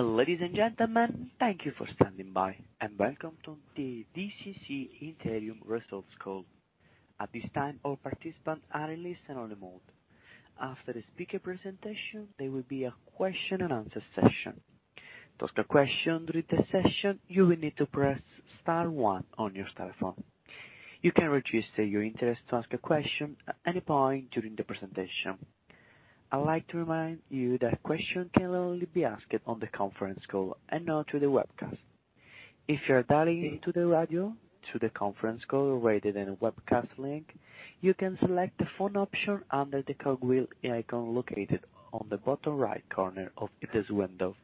Ladies and gentlemen, thank you for standing by, and welcome to the DCC Interim Results Call. At this time, all participants are in listen-only mode. After the speaker presentation, there will be a question-and-answer session. To ask a question during the session, you will need to press star one on your telephone. You can register your interest to ask a question at any point during the presentation. I'd like to remind you that questions can only be asked on the conference call and not through the webcast. If you are dialing into the radio through the conference call rather than a webcast link, you can select the phone option under the cogwheel icon located on the bottom right corner of this window.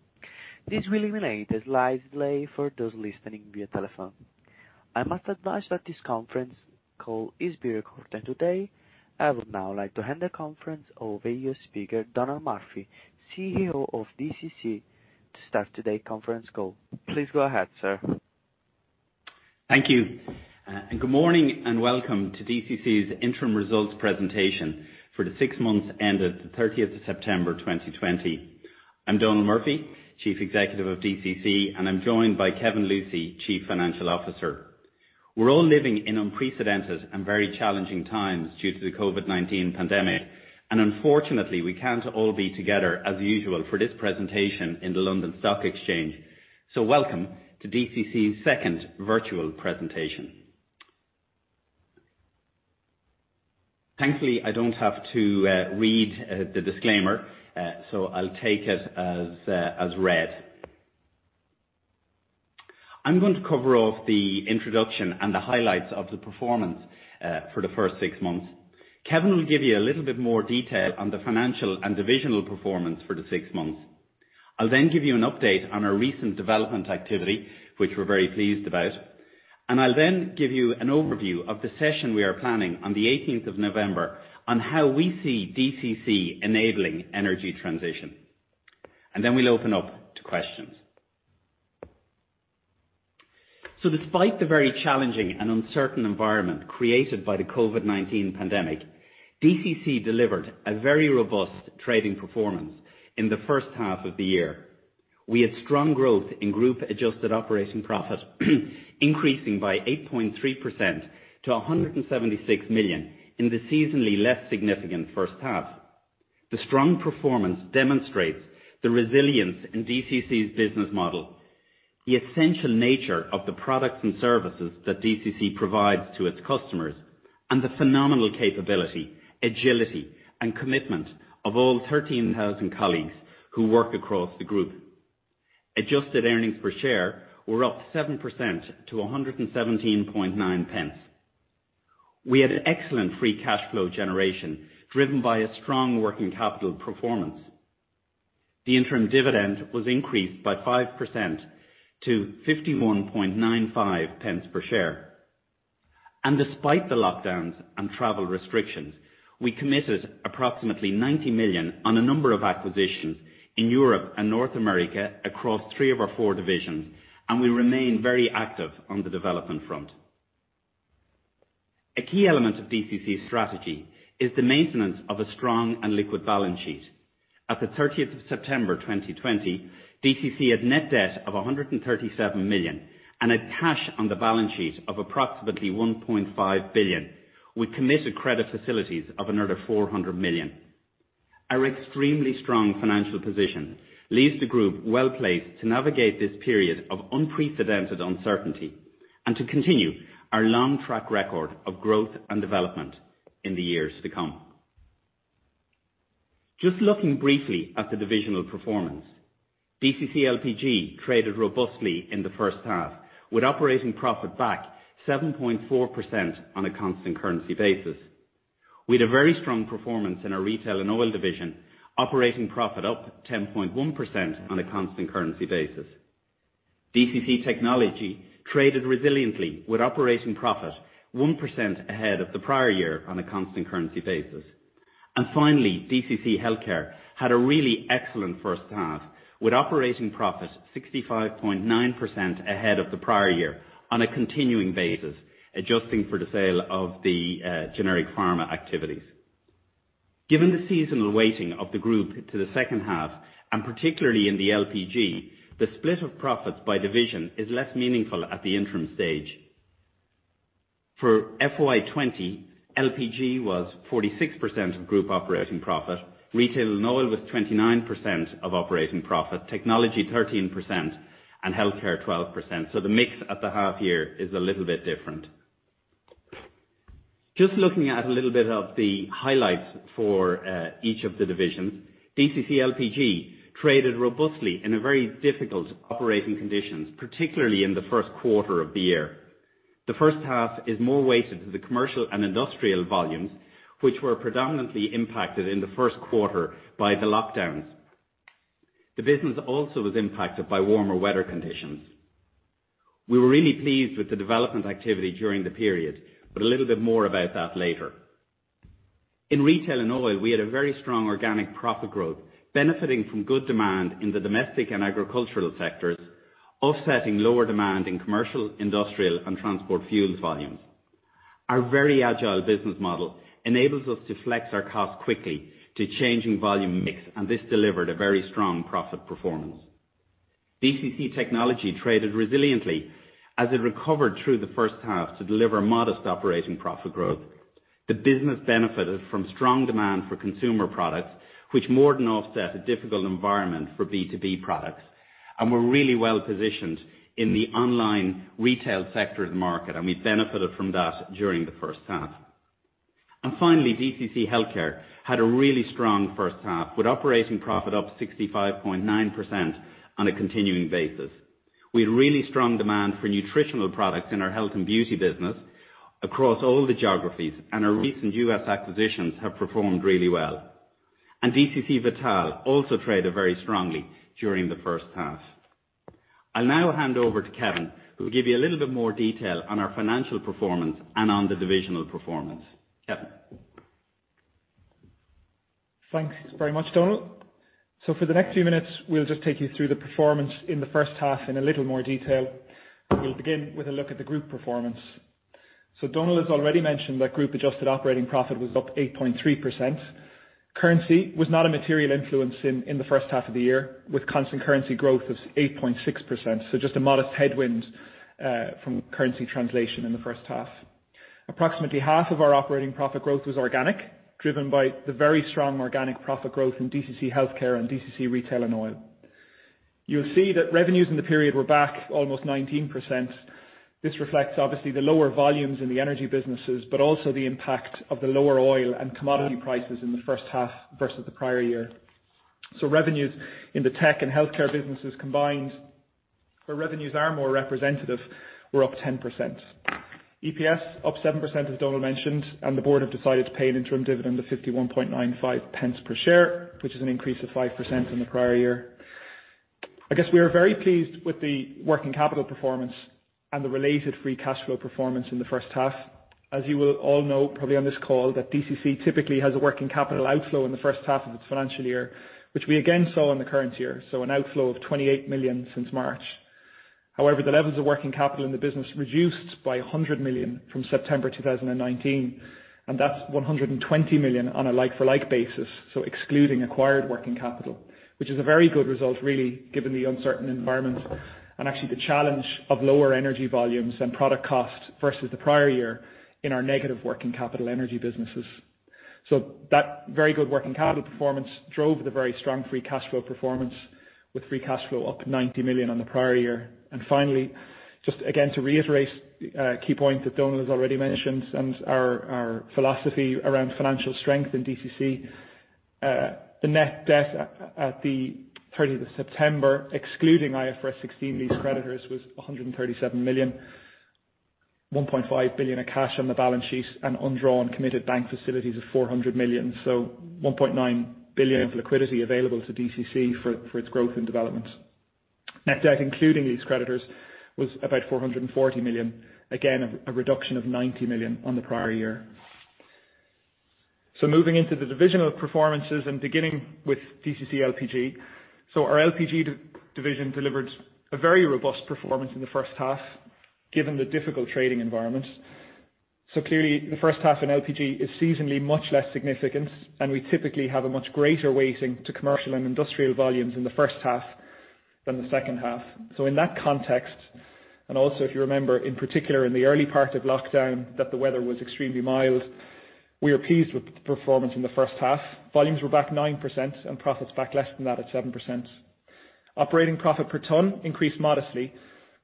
This will eliminate the slide delay for those listening via telephone. I must advise that this conference call is being recorded today. I would now like to hand the conference over to your speaker, Donal Murphy, CEO of DCC, to start today's conference call. Please go ahead, sir. Thank you. Good morning, and welcome to DCC's interim results presentation for the six months ended the 30th of September 2020. I'm Donal Murphy, Chief Executive of DCC, and I'm joined by Kevin Lucey, Chief Financial Officer. We're all living in unprecedented and very challenging times due to the COVID-19 pandemic, and unfortunately, we can't all be together as usual for this presentation in the London Stock Exchange. Welcome to DCC's second virtual presentation. Thankfully, I don't have to read the disclaimer, I'll take it as read. I'm going to cover off the introduction and the highlights of the performance for the first six months. Kevin will give you a little bit more detail on the financial and divisional performance for the six months. I'll give you an update on our recent development activity, which we're very pleased about. I'll then give you an overview of the session we are planning on the 18th of November on how we see DCC enabling energy transition. We'll open up to questions. Despite the very challenging and uncertain environment created by the COVID-19 pandemic, DCC delivered a very robust trading performance in the first half of the year. We had strong growth in group-adjusted operating profit, increasing by 8.3% to 176 million in the seasonally less significant first half. The strong performance demonstrates the resilience in DCC's business model, the essential nature of the products and services that DCC provides to its customers, and the phenomenal capability, agility, and commitment of all 13,000 colleagues who work across the group. Adjusted earnings per share were up 7% to 1.179. We had an excellent free cash flow generation driven by a strong working capital performance. The interim dividend was increased by 5% to 0.5195 per share. Despite the lockdowns and travel restrictions, we committed approximately 90 million on a number of acquisitions in Europe and North America across three of our four divisions, and we remain very active on the development front. A key element of DCC's strategy is the maintenance of a strong and liquid balance sheet. At the 30th of September 2020, DCC had net debt of 137 million and had cash on the balance sheet of approximately 1.5 billion. We committed credit facilities of another 400 million. Our extremely strong financial position leaves the group well-placed to navigate this period of unprecedented uncertainty and to continue our long track record of growth and development in the years to come. Just looking briefly at the divisional performance. DCC LPG traded robustly in the first half, with operating profit back 7.4% on a constant currency basis. We had a very strong performance in our Retail & Oil division, operating profit up 10.1% on a constant currency basis. DCC Technology traded resiliently with operating profit 1% ahead of the prior year on a constant currency basis. Finally, DCC Healthcare had a really excellent first half with operating profit 65.9% ahead of the prior year on a continuing basis, adjusting for the sale of the generic pharma activities. Given the seasonal weighting of the group to the second half, and particularly in the LPG, the split of profits by division is less meaningful at the interim stage. For FY 2020, LPG was 46% of group operating profit, Retail & Oil was 29% of operating profit, Technology 13%, and Healthcare 12%. The mix at the half year is a little bit different. Looking at a little bit of the highlights for each of the divisions. DCC LPG traded robustly in very difficult operating conditions, particularly in the first quarter of the year. The first half is more weighted to the commercial and industrial volumes, which were predominantly impacted in the first quarter by the lockdowns. The business also was impacted by warmer weather conditions. We were really pleased with the development activity during the period, but a little bit more about that later. In Retail & Oil, we had a very strong organic profit growth, benefiting from good demand in the domestic and agricultural sectors, offsetting lower demand in commercial, industrial, and transport fuel volumes. Our very agile business model enables us to flex our costs quickly to changing volume mix, and this delivered a very strong profit performance. DCC Technology traded resiliently as it recovered through the first half to deliver modest operating profit growth. The business benefited from strong demand for consumer products, which more than offset a difficult environment for B2B products. We're really well-positioned in the online retail sector of the market, and we benefited from that during the first half. Finally, DCC Healthcare had a really strong first half, with operating profit up 65.9% on a continuing basis. We had really strong demand for nutritional products in our health and beauty business across all the geographies, and our recent U.S. acquisitions have performed really well. DCC Vital also traded very strongly during the first half. I'll now hand over to Kevin, who will give you a little bit more detail on our financial performance and on the divisional performance. Kevin. Thanks very much, Donal. For the next few minutes, we'll just take you through the performance in the first half in a little more detail. We'll begin with a look at the group performance. Donal has already mentioned that group adjusted operating profit was up 8.3%. Currency was not a material influence in the first half of the year, with constant currency growth of 8.6%, so just a modest headwind from currency translation in the first half. Approximately half of our operating profit growth was organic, driven by the very strong organic profit growth in DCC Healthcare and DCC Retail & Oil. You'll see that revenues in the period were back almost 19%. This reflects obviously the lower volumes in the energy businesses, but also the impact of the lower oil and commodity prices in the first half versus the prior year. Revenues in the tech and healthcare businesses combined, where revenues are more representative, were up 10%. EPS up 7% as Donal mentioned, and the board have decided to pay an interim dividend of 0.5195 per share, which is an increase of 5% from the prior year. I guess we are very pleased with the working capital performance and the related free cash flow performance in the first half. As you will all know, probably on this call, that DCC typically has a working capital outflow in the first half of its financial year, which we again saw in the current year, so an outflow of 28 million since March. The levels of working capital in the business reduced by 100 million from September 2019, and that's 120 million on a like-for-like basis, so excluding acquired working capital. Which is a very good result, really, given the uncertain environment and actually the challenge of lower energy volumes and product costs versus the prior year in our negative working capital energy businesses. That very good working capital performance drove the very strong free cash flow performance with free cash flow up 90 million on the prior year. Finally, just again to reiterate a key point that Donal has already mentioned and our philosophy around financial strength in DCC. The net debt at the 30th of September, excluding IFRS 16 lease creditors, was 137 million. 1.5 billion of cash on the balance sheet and undrawn committed bank facilities of 400 million. 1.9 billion of liquidity available to DCC for its growth and development. Net debt, including these creditors, was about 440 million. Again, a reduction of 90 million on the prior year. Moving into the divisional performances and beginning with DCC LPG. Our LPG division delivered a very robust performance in the first half given the difficult trading environment. Clearly the first half in LPG is seasonally much less significant, and we typically have a much greater weighting to commercial and industrial volumes in the first half than the second half. In that context, and also if you remember in particular in the early part of lockdown that the weather was extremely mild, we are pleased with the performance in the first half. Volumes were back 9% and profits back less than that at 7%. Operating profit per ton increased modestly,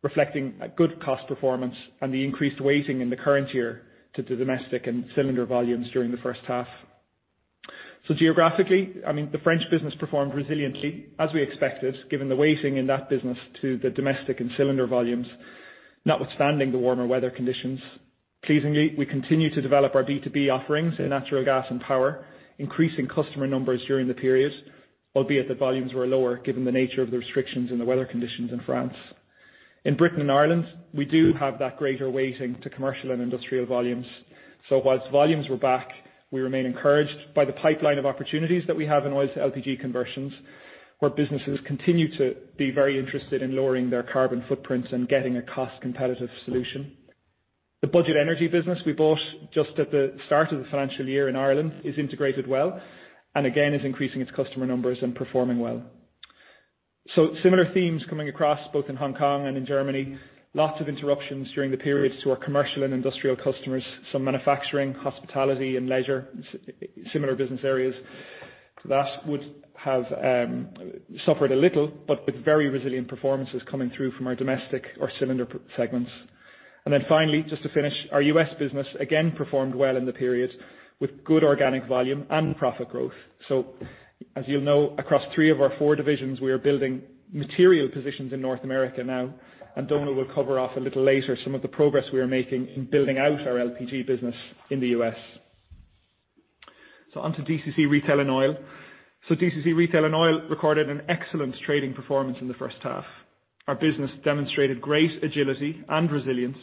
reflecting a good cost performance and the increased weighting in the current year to the domestic and cylinder volumes during the first half. Geographically, the French business performed resiliently as we expected, given the weighting in that business to the domestic and cylinder volumes, notwithstanding the warmer weather conditions. Pleasingly, we continue to develop our B2B offerings in natural gas and power, increasing customer numbers during the period, albeit that volumes were lower given the nature of the restrictions and the weather conditions in France. In Britain and Ireland, we do have that greater weighting to commercial and industrial volumes. Whilst volumes were back, we remain encouraged by the pipeline of opportunities that we have in oil-to-LPG conversions, where businesses continue to be very interested in lowering their carbon footprints and getting a cost-competitive solution. The Budget Energy business we bought just at the start of the financial year in Ireland is integrated well, and again is increasing its customer numbers and performing well. Similar themes coming across both in Hong Kong and in Germany. Lots of interruptions during the period to our commercial and industrial customers. Some manufacturing, hospitality, and leisure, similar business areas that would have suffered a little but with very resilient performances coming through from our domestic or cylinder segments. Finally, just to finish, our U.S. business again performed well in the period with good organic volume and profit growth. As you'll know, across three of our four divisions, we are building material positions in North America now, Donal will cover off a little later some of the progress we are making in building out our LPG business in the U.S. On to DCC Retail & Oil. DCC Retail & Oil recorded an excellent trading performance in the first half. Our business demonstrated great agility and resilience.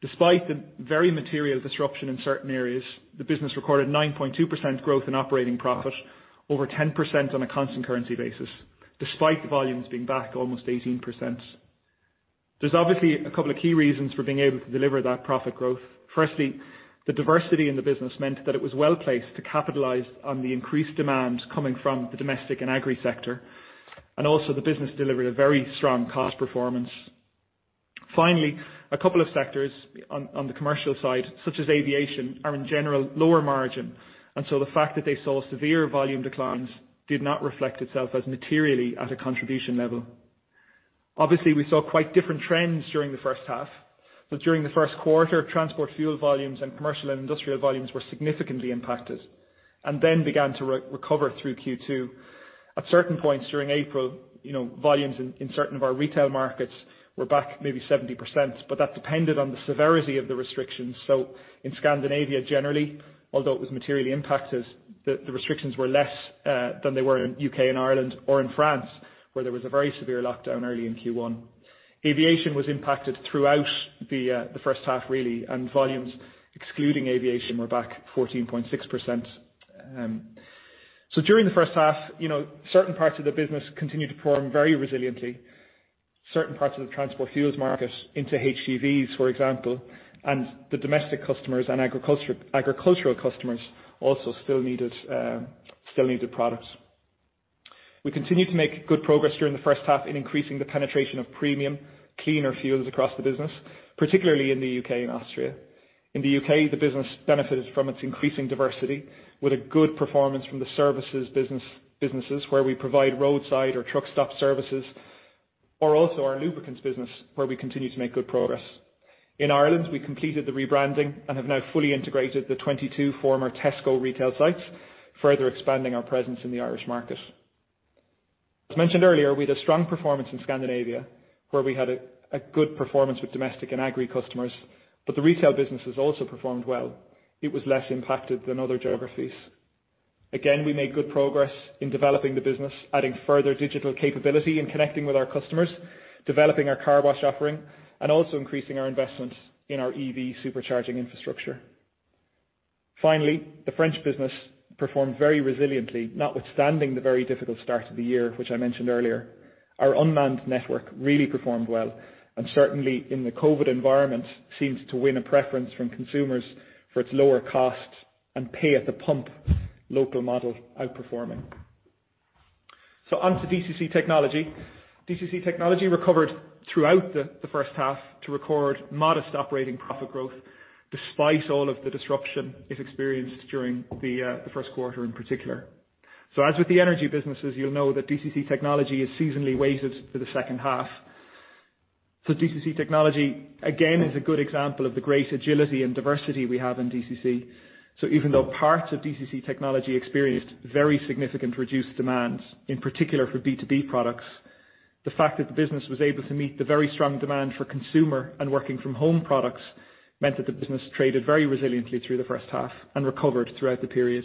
Despite the very material disruption in certain areas, the business recorded 9.2% growth in operating profit, over 10% on a constant currency basis. Despite the volumes being back almost 18%. There's obviously a couple of key reasons for being able to deliver that profit growth. Firstly, the diversity in the business meant that it was well-placed to capitalize on the increased demand coming from the domestic and agri sector, and also the business delivered a very strong cost performance. Finally, a couple of sectors on the commercial side, such as aviation, are in general lower margin, and so the fact that they saw severe volume declines did not reflect itself as materially at a contribution level. Obviously, we saw quite different trends during the first half. During the first quarter, transport fuel volumes and commercial and industrial volumes were significantly impacted, and then began to recover through Q2. At certain points during April, volumes in certain of our retail markets were back maybe 70%, but that depended on the severity of the restrictions. In Scandinavia, generally, although it was materially impacted, the restrictions were less than they were in U.K. and Ireland or in France, where there was a very severe lockdown early in Q1. Aviation was impacted throughout the first half really, and volumes excluding aviation were back 14.6%. During the first half, certain parts of the business continued to perform very resiliently. Certain parts of the transport fuels market into HCVs, for example, and the domestic customers and agricultural customers also still needed products. We continued to make good progress during the first half in increasing the penetration of premium cleaner fuels across the business, particularly in the U.K. and Austria. In the U.K., the business benefited from its increasing diversity, with a good performance from the services businesses, where we provide roadside or truck stop services, or also our lubricants business, where we continue to make good progress. In Ireland, we completed the rebranding and have now fully integrated the 22 former Tesco retail sites, further expanding our presence in the Irish market. As mentioned earlier, we had a strong performance in Scandinavia, where we had a good performance with domestic and agri customers, but the retail businesses also performed well. It was less impacted than other geographies. Again, we made good progress in developing the business, adding further digital capability in connecting with our customers, developing our car wash offering, also increasing our investment in our EV supercharging infrastructure. Finally, the French business performed very resiliently, notwithstanding the very difficult start of the year, which I mentioned earlier. Our unmanned network really performed well, certainly in the COVID environment, seems to win a preference from consumers for its lower cost and pay at the pump local model outperforming. On to DCC Technology. DCC Technology recovered throughout the first half to record modest operating profit growth, despite all of the disruption it experienced during the first quarter in particular. As with the energy businesses, you'll know that DCC Technology is seasonally weighted for the second half. DCC Technology, again, is a good example of the great agility and diversity we have in DCC. Even though parts of DCC Technology experienced very significant reduced demands, in particular for B2B products, the fact that the business was able to meet the very strong demand for consumer and working from home products meant that the business traded very resiliently through the first half and recovered throughout the period.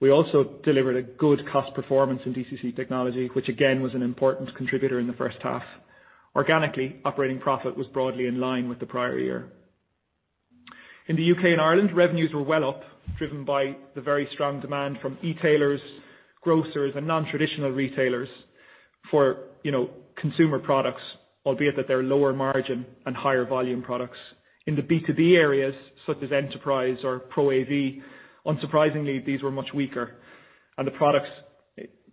We also delivered a good cost performance in DCC Technology, which again, was an important contributor in the first half. Organically, operating profit was broadly in line with the prior year. In the U.K. and Ireland, revenues were well up, driven by the very strong demand from e-tailers, grocers, and non-traditional retailers for consumer products, albeit that they're lower margin and higher volume products. In the B2B areas such as Enterprise or ProAV, unsurprisingly, these were much weaker.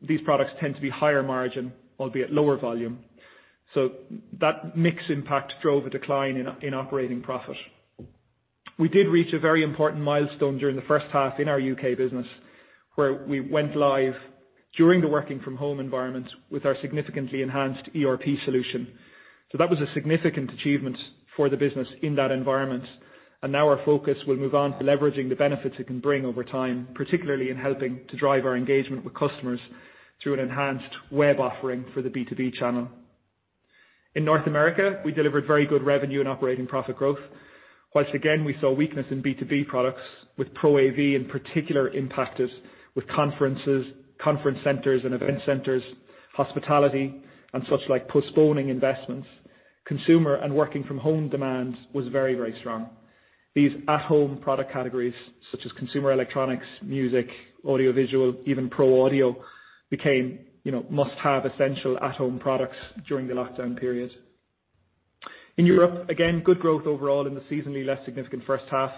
These products tend to be higher margin, albeit lower volume. That mix impact drove a decline in operating profit. We did reach a very important milestone during the first half in our U.K. business, where we went live during the working from home environment with our significantly enhanced ERP solution. That was a significant achievement for the business in that environment. Now our focus will move on to leveraging the benefits it can bring over time, particularly in helping to drive our engagement with customers through an enhanced web offering for the B2B channel. In North America, we delivered very good revenue and operating profit growth. Whilst again, we saw weakness in B2B products with ProAV in particular impacted with conferences, conference centers and event centers, hospitality, and such like postponing investments. Consumer and working from home demand was very strong. These at-home product categories such as consumer electronics, music, audiovisual, even pro audio became must-have essential at-home products during the lockdown period. In Europe, again, good growth overall in the seasonally less significant first half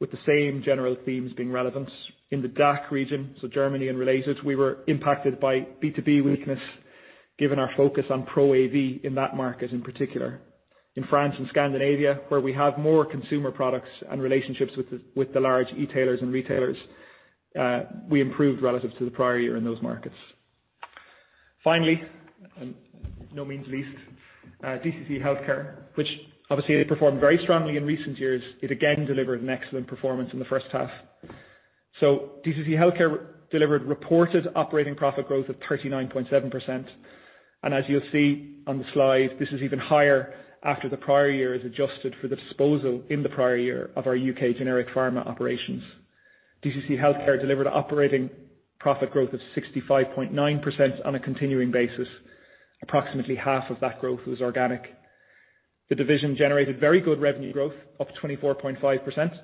with the same general themes being relevant. In the DACH region, so Germany and related, we were impacted by B2B weakness given our focus on ProAV in that market in particular. In France and Scandinavia, where we have more consumer products and relationships with the large e-tailers and retailers, we improved relative to the prior year in those markets. Finally, by no means least, DCC Healthcare, which obviously they performed very strongly in recent years. It again delivered an excellent performance in the first half. DCC Healthcare delivered reported operating profit growth of 39.7%. As you'll see on the slide, this is even higher after the prior year is adjusted for the disposal in the prior year of our U.K. generic pharma operations. DCC Healthcare delivered operating profit growth of 65.9% on a continuing basis. Approximately half of that growth was organic. The division generated very good revenue growth, up 24.5%.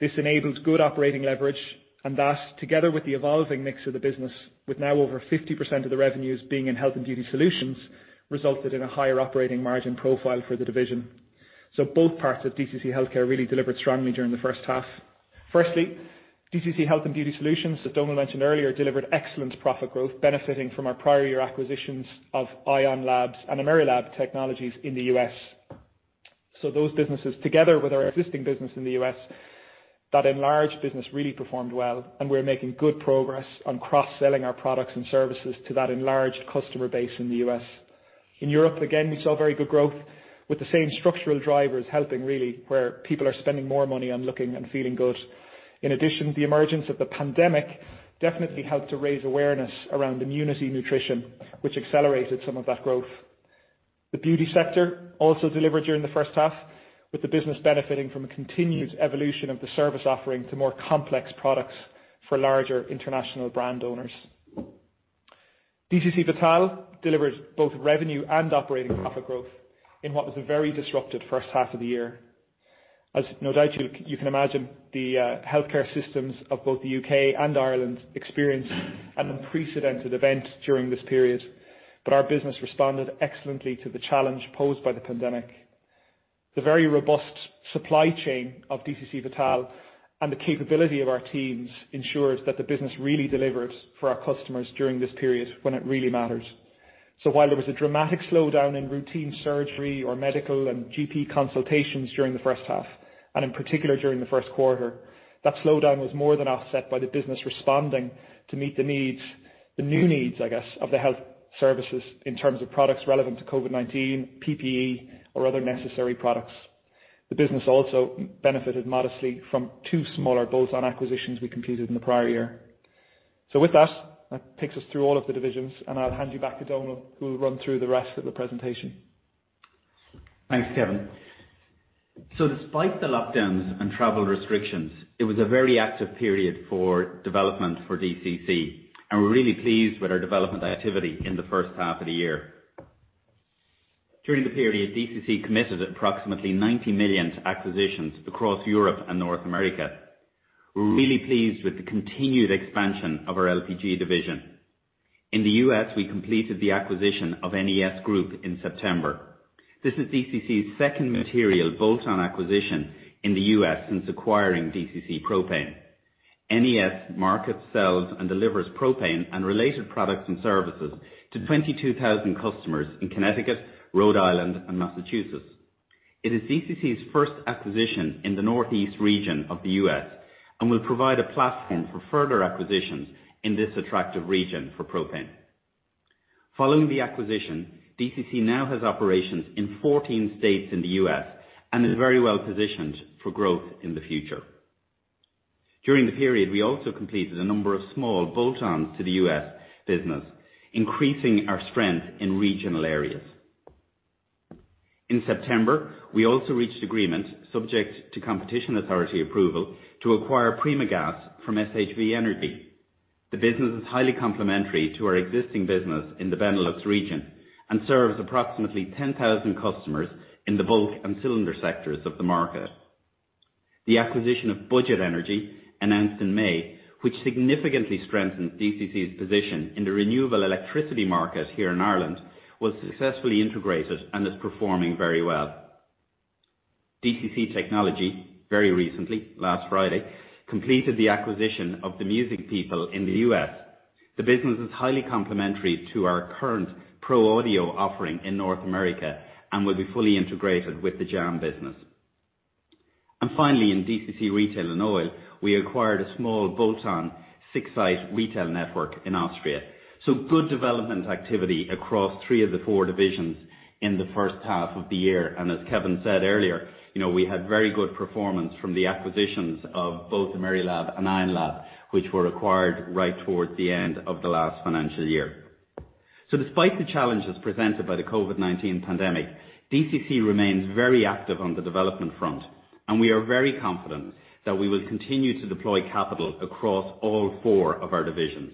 This enabled good operating leverage, and that, together with the evolving mix of the business, with now over 50% of the revenues being in Health and Beauty Solutions, resulted in a higher operating margin profile for the division. Both parts of DCC Healthcare really delivered strongly during the first half. Firstly, DCC Health and Beauty Solutions, as Donal mentioned earlier, delivered excellent profit growth benefiting from our prior year acquisitions of Ion Labs and Amerilab Technologies in the U.S. Those businesses, together with our existing business in the U.S., that enlarged business really performed well, and we're making good progress on cross-selling our products and services to that enlarged customer base in the U.S. In Europe, again, we saw very good growth with the same structural drivers helping, really, where people are spending more money on looking and feeling good. In addition, the emergence of the pandemic definitely helped to raise awareness around immunity nutrition, which accelerated some of that growth. The beauty sector also delivered during the first half, with the business benefiting from a continued evolution of the service offering to more complex products for larger international brand owners. DCC Vital delivered both revenue and operating profit growth in what was a very disrupted first half of the year. As no doubt you can imagine, the healthcare systems of both the U.K. and Ireland experienced an unprecedented event during this period, but our business responded excellently to the challenge posed by the pandemic. The very robust supply chain of DCC Vital and the capability of our teams ensures that the business really delivered for our customers during this period when it really matters. While there was a dramatic slowdown in routine surgery or medical and GP consultations during the first half, and in particular during the first quarter, that slowdown was more than offset by the business responding to meet the needs, the new needs, I guess, of the health services in terms of products relevant to COVID-19, PPE, or other necessary products. The business also benefited modestly from two smaller bolt-on acquisitions we completed in the prior year. With that takes us through all of the divisions, and I'll hand you back to Donal, who will run through the rest of the presentation. Thanks, Kevin. Despite the lockdowns and travel restrictions, it was a very active period for development for DCC, and we're really pleased with our development activity in the first half of the year. During the period, DCC committed approximately 90 million to acquisitions across Europe and North America. We're really pleased with the continued expansion of our LPG division. In the U.S., we completed the acquisition of NES Group in September. This is DCC's second material bolt-on acquisition in the U.S. since acquiring DCC Propane. NES markets, sells, and delivers propane and related products and services to 22,000 customers in Connecticut, Rhode Island, and Massachusetts. It is DCC's first acquisition in the northeast region of the U.S. and will provide a platform for further acquisitions in this attractive region for propane. Following the acquisition, DCC now has operations in 14 states in the U.S. and is very well positioned for growth in the future. During the period, we also completed a number of small bolt-ons to the U.S. business, increasing our strength in regional areas. In September, we also reached agreement, subject to competition authority approval, to acquire Primagaz from SHV Energy. The business is highly complementary to our existing business in the Benelux region and serves approximately 10,000 customers in the bulk and cylinder sectors of the market. The acquisition of Budget Energy, announced in May, which significantly strengthens DCC's position in the renewable electricity market here in Ireland, was successfully integrated and is performing very well. DCC Technology, very recently, last Friday, completed the acquisition of The Music People in the U.S. The business is highly complementary to our current pro audio offering in North America and will be fully integrated with the JAM business. Finally, in DCC Retail & Oil, we acquired a small bolt-on, six-site retail network in Austria. Good development activity across three of the four divisions in the first half of the year. As Kevin said earlier, we had very good performance from the acquisitions of both Amerilab and Ion Labs, which were acquired right towards the end of the last financial year. Despite the challenges presented by the COVID-19 pandemic, DCC remains very active on the development front, and we are very confident that we will continue to deploy capital across all four of our divisions.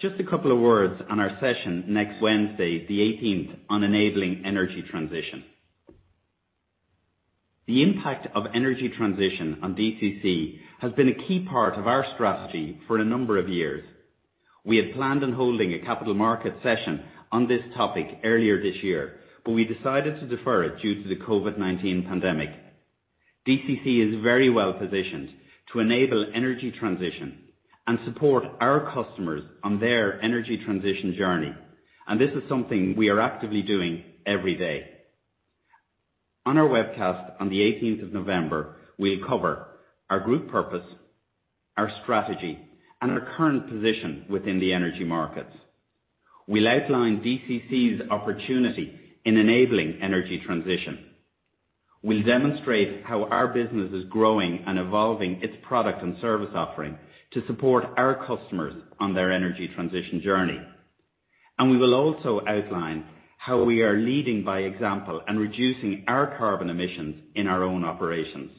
Just a couple of words on our session next Wednesday, the 18th, on enabling energy transition. The impact of energy transition on DCC has been a key part of our strategy for a number of years. We had planned on holding a capital market session on this topic earlier this year, but we decided to defer it due to the COVID-19 pandemic. DCC is very well positioned to enable energy transition and support our customers on their energy transition journey. This is something we are actively doing every day. On our webcast on the 18th of November, we'll cover our group purpose, our strategy, and our current position within the energy markets. We'll outline DCC's opportunity in enabling energy transition. We'll demonstrate how our business is growing and evolving its product and service offering to support our customers on their energy transition journey. We will also outline how we are leading by example and reducing our carbon emissions in our own operations.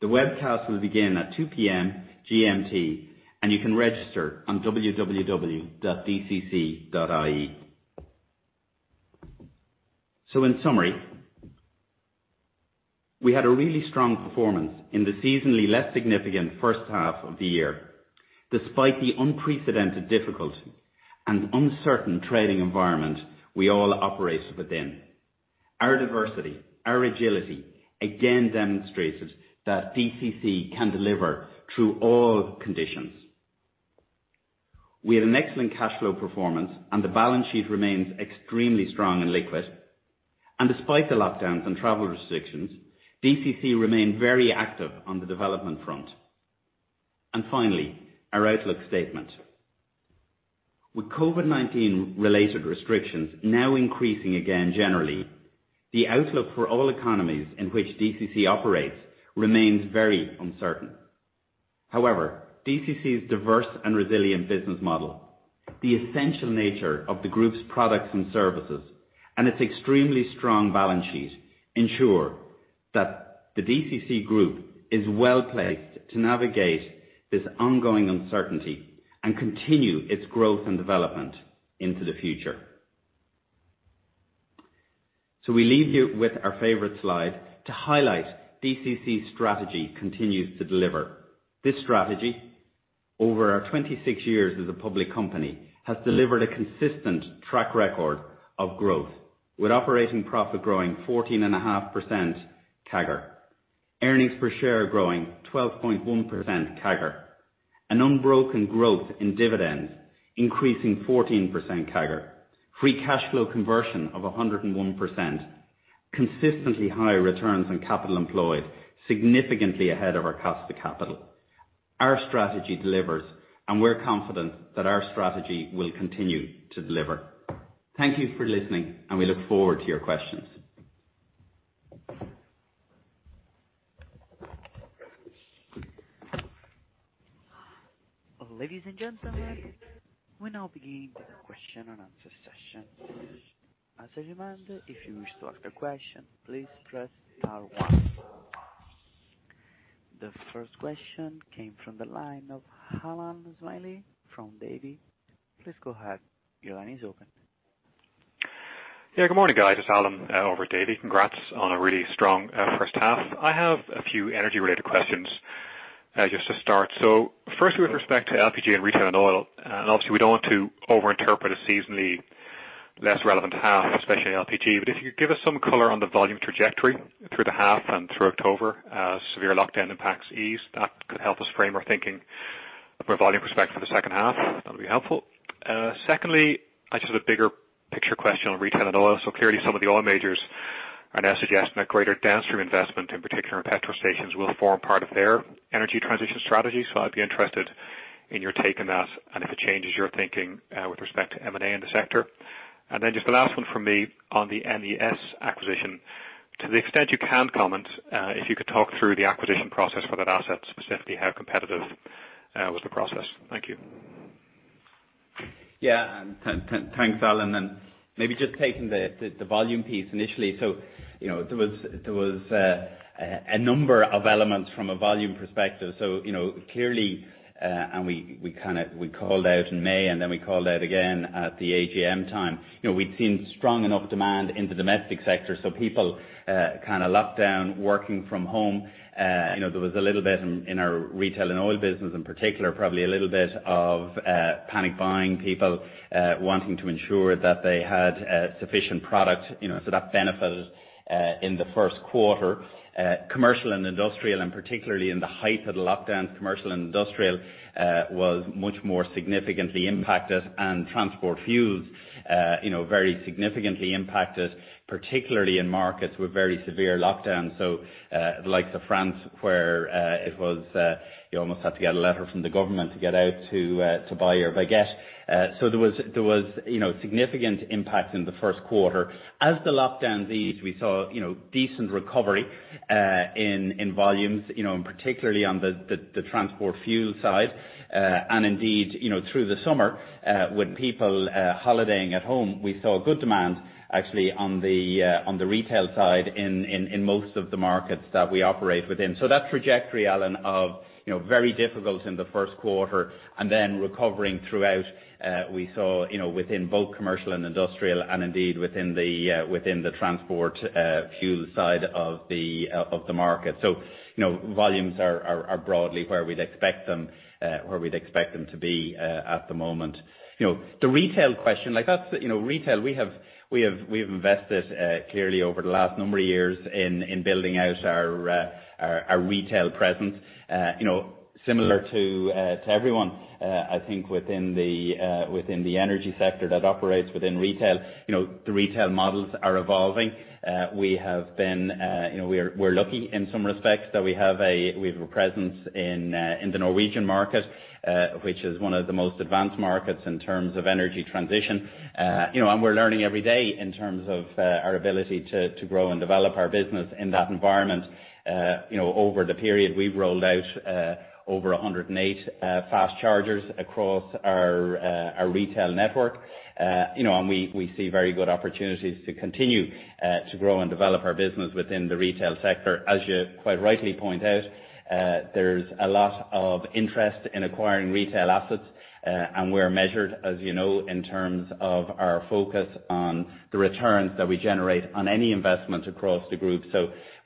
The webcast will begin at 2:00 PM GMT, and you can register on www.dcc.ie. In summary, we had a really strong performance in the seasonally less significant first half of the year, despite the unprecedented difficulty and uncertain trading environment we all operate within. Our diversity, our agility, again demonstrates that DCC can deliver through all conditions. We had an excellent cash flow performance, and the balance sheet remains extremely strong and liquid. Despite the lockdowns and travel restrictions, DCC remained very active on the development front. Finally, our outlook statement. With COVID-19 related restrictions now increasing again, generally, the outlook for all economies in which DCC operates remains very uncertain. However, DCC's diverse and resilient business model, the essential nature of the group's products and services, and its extremely strong balance sheet ensure that the DCC group is well-placed to navigate this ongoing uncertainty and continue its growth and development into the future. We leave you with our favorite slide to highlight DCC's strategy continues to deliver. This strategy, over our 26 years as a public company, has delivered a consistent track record of growth with operating profit growing 14.5% CAGR, earnings per share growing 12.1% CAGR, an unbroken growth in dividends increasing 14% CAGR, free cash flow conversion of 101%, consistently high returns on capital employed, significantly ahead of our cost of capital. Our strategy delivers, we're confident that our strategy will continue to deliver. Thank you for listening, we look forward to your questions. Ladies and gentlemen, we now begin the question-and-answer session. The first question came from the line of Alan Smylie from Davy. Please go ahead. Your line is open. Yeah. Good morning, guys. It's Alan over at Davy. Congrats on a really strong first half. I have a few energy-related questions just to start. Firstly with respect to LPG and Retail & Oil, obviously we don't want to overinterpret a seasonally less relevant half, especially in LPG, but if you could give us some color on the volume trajectory through the half and through October as severe lockdown impacts ease. That could help us frame our thinking from a volume perspective for the second half. That'll be helpful. Secondly, I just have a bigger picture question on Retail & Oil. Clearly some of the oil majors are now suggesting that greater downstream investment, in particular in petrol stations, will form part of their energy transition strategy. I'd be interested in your take on that and if it changes your thinking with respect to M&A in the sector. Just the last one from me on the NES acquisition. To the extent you can comment, if you could talk through the acquisition process for that asset specifically, how competitive was the process? Thank you. Yeah. Thanks, Alan, and maybe just taking the volume piece initially. There was a number of elements from a volume perspective. Clearly, and we called out in May, and then we called out again at the AGM time. We'd seen strong enough demand in the domestic sector, so people kind of locked down working from home. There was a little bit in our Retail & Oil business, in particular, probably a little bit of panic buying. People wanting to ensure that they had sufficient product, so that benefited in the first quarter. Commercial and industrial, and particularly in the height of the lockdowns, commercial and industrial was much more significantly impacted and transport fuels very significantly impacted, particularly in markets with very severe lockdowns. The likes of France, where you almost had to get a letter from the government to get out to buy your baguette. There was significant impact in the first quarter. As the lockdowns eased, we saw decent recovery in volumes, and particularly on the transport fuel side. Indeed, through the summer, with people holidaying at home, we saw good demand actually on the retail side in most of the markets that we operate within. That trajectory, Alan, of very difficult in the first quarter and then recovering throughout, we saw within both commercial and industrial and indeed within the transport fuel side of the market. Volumes are broadly where we'd expect them to be at the moment. The retail question, we have invested clearly over the last number of years in building out our retail presence. Similar to everyone, I think within the energy sector that operates within retail, the retail models are evolving. We're lucky in some respects that we have a presence in the Norwegian market, which is one of the most advanced markets in terms of energy transition. We're learning every day in terms of our ability to grow and develop our business in that environment. Over the period, we've rolled out over 108 fast chargers across our retail network. We see very good opportunities to continue to grow and develop our business within the retail sector. As you quite rightly point out, there's a lot of interest in acquiring retail assets. We're measured, as you know, in terms of our focus on the returns that we generate on any investment across the group.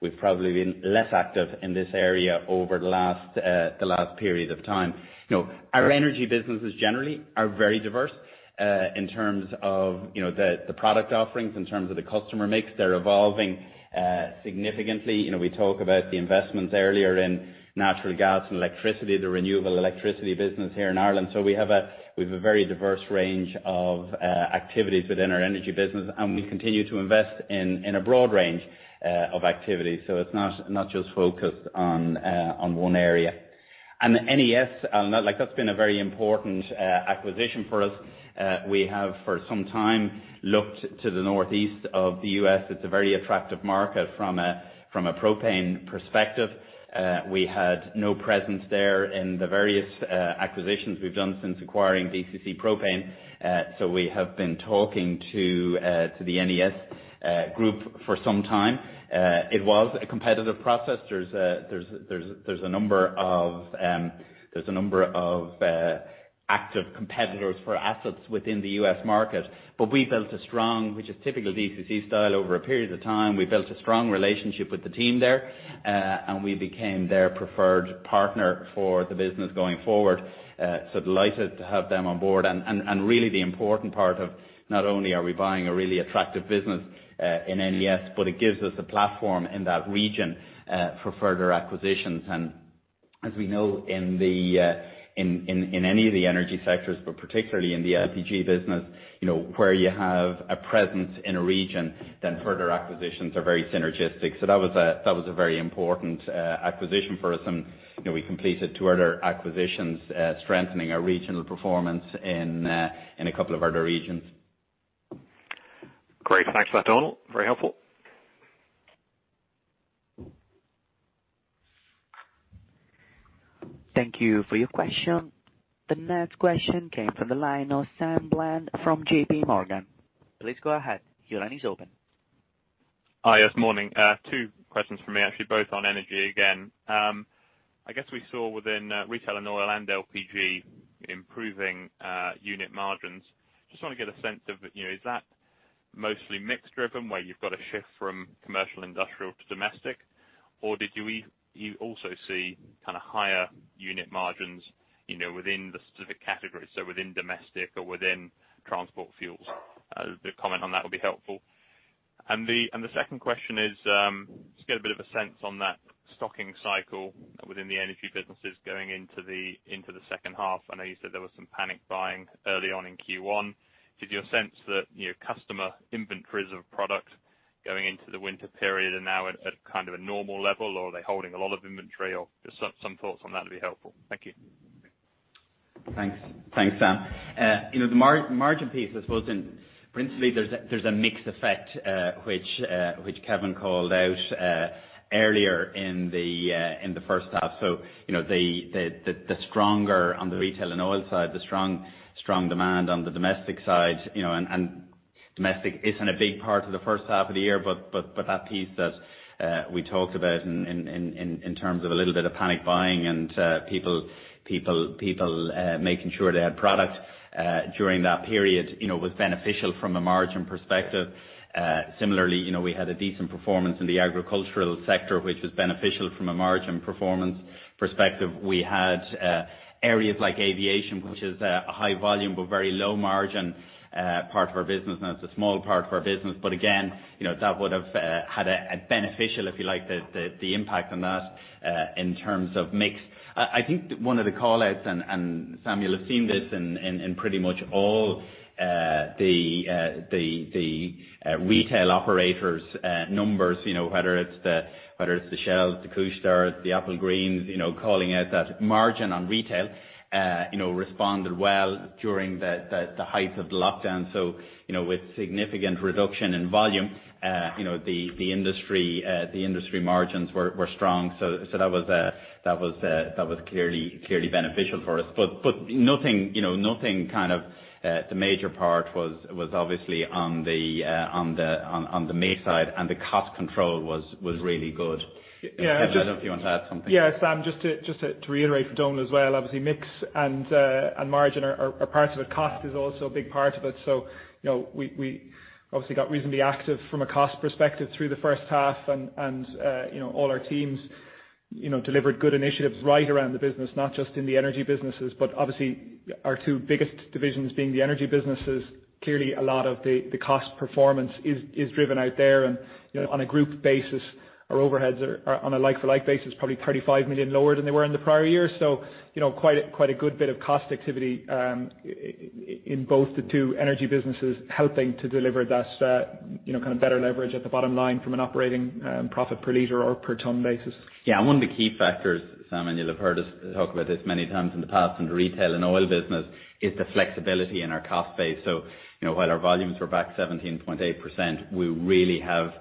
We've probably been less active in this area over the last period of time. Our energy businesses generally are very diverse in terms of the product offerings, in terms of the customer mix. They're evolving significantly. We talk about the investments earlier in natural gas and electricity, the renewable electricity business here in Ireland. We have a very diverse range of activities within our energy business, and we continue to invest in a broad range of activities. It's not just focused on one area. NES, that's been a very important acquisition for us. We have, for some time, looked to the northeast of the U.S. It's a very attractive market from a propane perspective. We had no presence there in the various acquisitions we've done since acquiring DCC Propane. We have been talking to the NES Group for some time. It was a competitive process. There's a number of active competitors for assets within the U.S. market. We built a strong, which is typical DCC style, over a period of time, we built a strong relationship with the team there. We became their preferred partner for the business going forward. Delighted to have them on board. Really the important part of not only are we buying a really attractive business in NES, but it gives us a platform in that region for further acquisitions. As we know, in any of the energy sectors, but particularly in the LPG business, where you have a presence in a region, then further acquisitions are very synergistic. That was a very important acquisition for us. We completed two other acquisitions, strengthening our regional performance in a couple of other regions. Great. Thanks for that, Donal. Very helpful. Thank you for your question. The next question came from the line of Sam Bland from JPMorgan. Please go ahead. Your line is open. Hi. Yes, morning. Two questions from me, actually, both on energy again. I guess we saw within Retail & Oil and LPG improving unit margins. Just want to get a sense of, is that mostly mix driven, where you've got a shift from commercial industrial to domestic? Did you also see kind of higher unit margins within the specific categories, so within domestic or within transport fuels? A bit of comment on that would be helpful. The second question is, just get a bit of a sense on that stocking cycle within the energy businesses going into the second half. I know you said there was some panic buying early on in Q1. Did you sense that customer inventories of product going into the winter period are now at kind of a normal level, or are they holding a lot of inventory? Just some thoughts on that would be helpful. Thank you. Thanks, Sam. The margin piece, I suppose principally, there's a mix effect, which Kevin called out earlier in the first half. The stronger on the Retail & Oil side, the strong demand on the domestic side, domestic isn't a big part of the first half of the year. That piece that we talked about in terms of a little bit of panic buying and people making sure they had product during that period, was beneficial from a margin perspective. Similarly, we had a decent performance in the agricultural sector, which was beneficial from a margin performance perspective. We had areas like aviation, which is a high volume but very low margin part of our business, it's a small part of our business. Again, that would have had a beneficial, if you like, the impact on that in terms of mix. I think one of the call-outs, and Samuel has seen this in pretty much all the retail operators' numbers, whether it's the Shells, the Couche-Tards, the Applegreens, calling out that margin on retail responded well during the height of the lockdown. With significant reduction in volume, the industry margins were strong. That was clearly beneficial for us. The major part was obviously on the make side, and the cost control was really good. Kevin, I don't know if you want to add something. Yeah, Sam, just to reiterate for Donal as well. Mix and margin are parts of it. Cost is also a big part of it. We obviously got reasonably active from a cost perspective through the first half, and all our teams delivered good initiatives right around the business, not just in the energy businesses. Obviously, our two biggest divisions being the energy businesses, clearly, a lot of the cost performance is driven out there. On a group basis, our overheads are, on a like-for-like basis, probably 35 million lower than they were in the prior year. Quite a good bit of cost activity in both the two energy businesses helping to deliver that kind of better leverage at the bottom line from an operating profit per liter or per ton basis. Yeah. One of the key factors, Sam, you'll have heard us talk about this many times in the past, in the Retail & Oil business, is the flexibility in our cost base. While our volumes were back 17.8%, we really have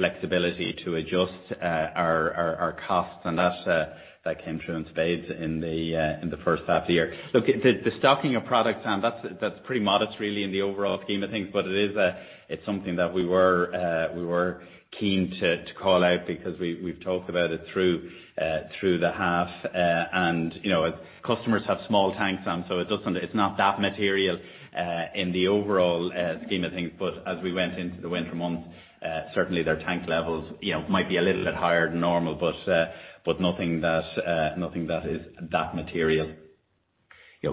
flexibility to adjust our costs, and that came true in spades in the first half of the year. Look, the stocking of products, Sam, that's pretty modest, really, in the overall scheme of things, but it's something that we were keen to call out because we've talked about it through the half. Customers have small tanks, Simon, so it's not that material in the overall scheme of things. As we went into the winter months, certainly their tank levels might be a little bit higher than normal, but nothing that is that material.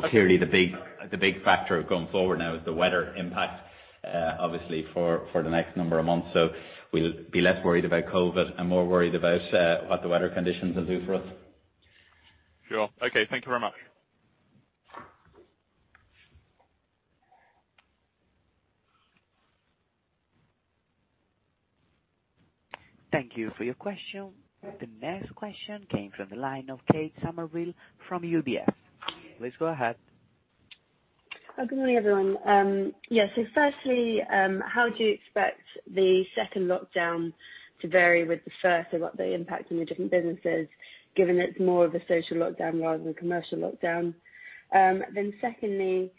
Clearly, the big factor going forward now is the weather impact obviously for the next number of months. We'll be less worried about COVID and more worried about what the weather conditions will do for us. Sure. Okay. Thank you very much. Thank you for your question. The next question came from the line of Kate Somerville from UBS. Please go ahead. Good morning, everyone. Firstly, how do you expect the second lockdown to vary with the first and what the impact in the different businesses, given it's more of a social lockdown rather than commercial lockdown? Secondly,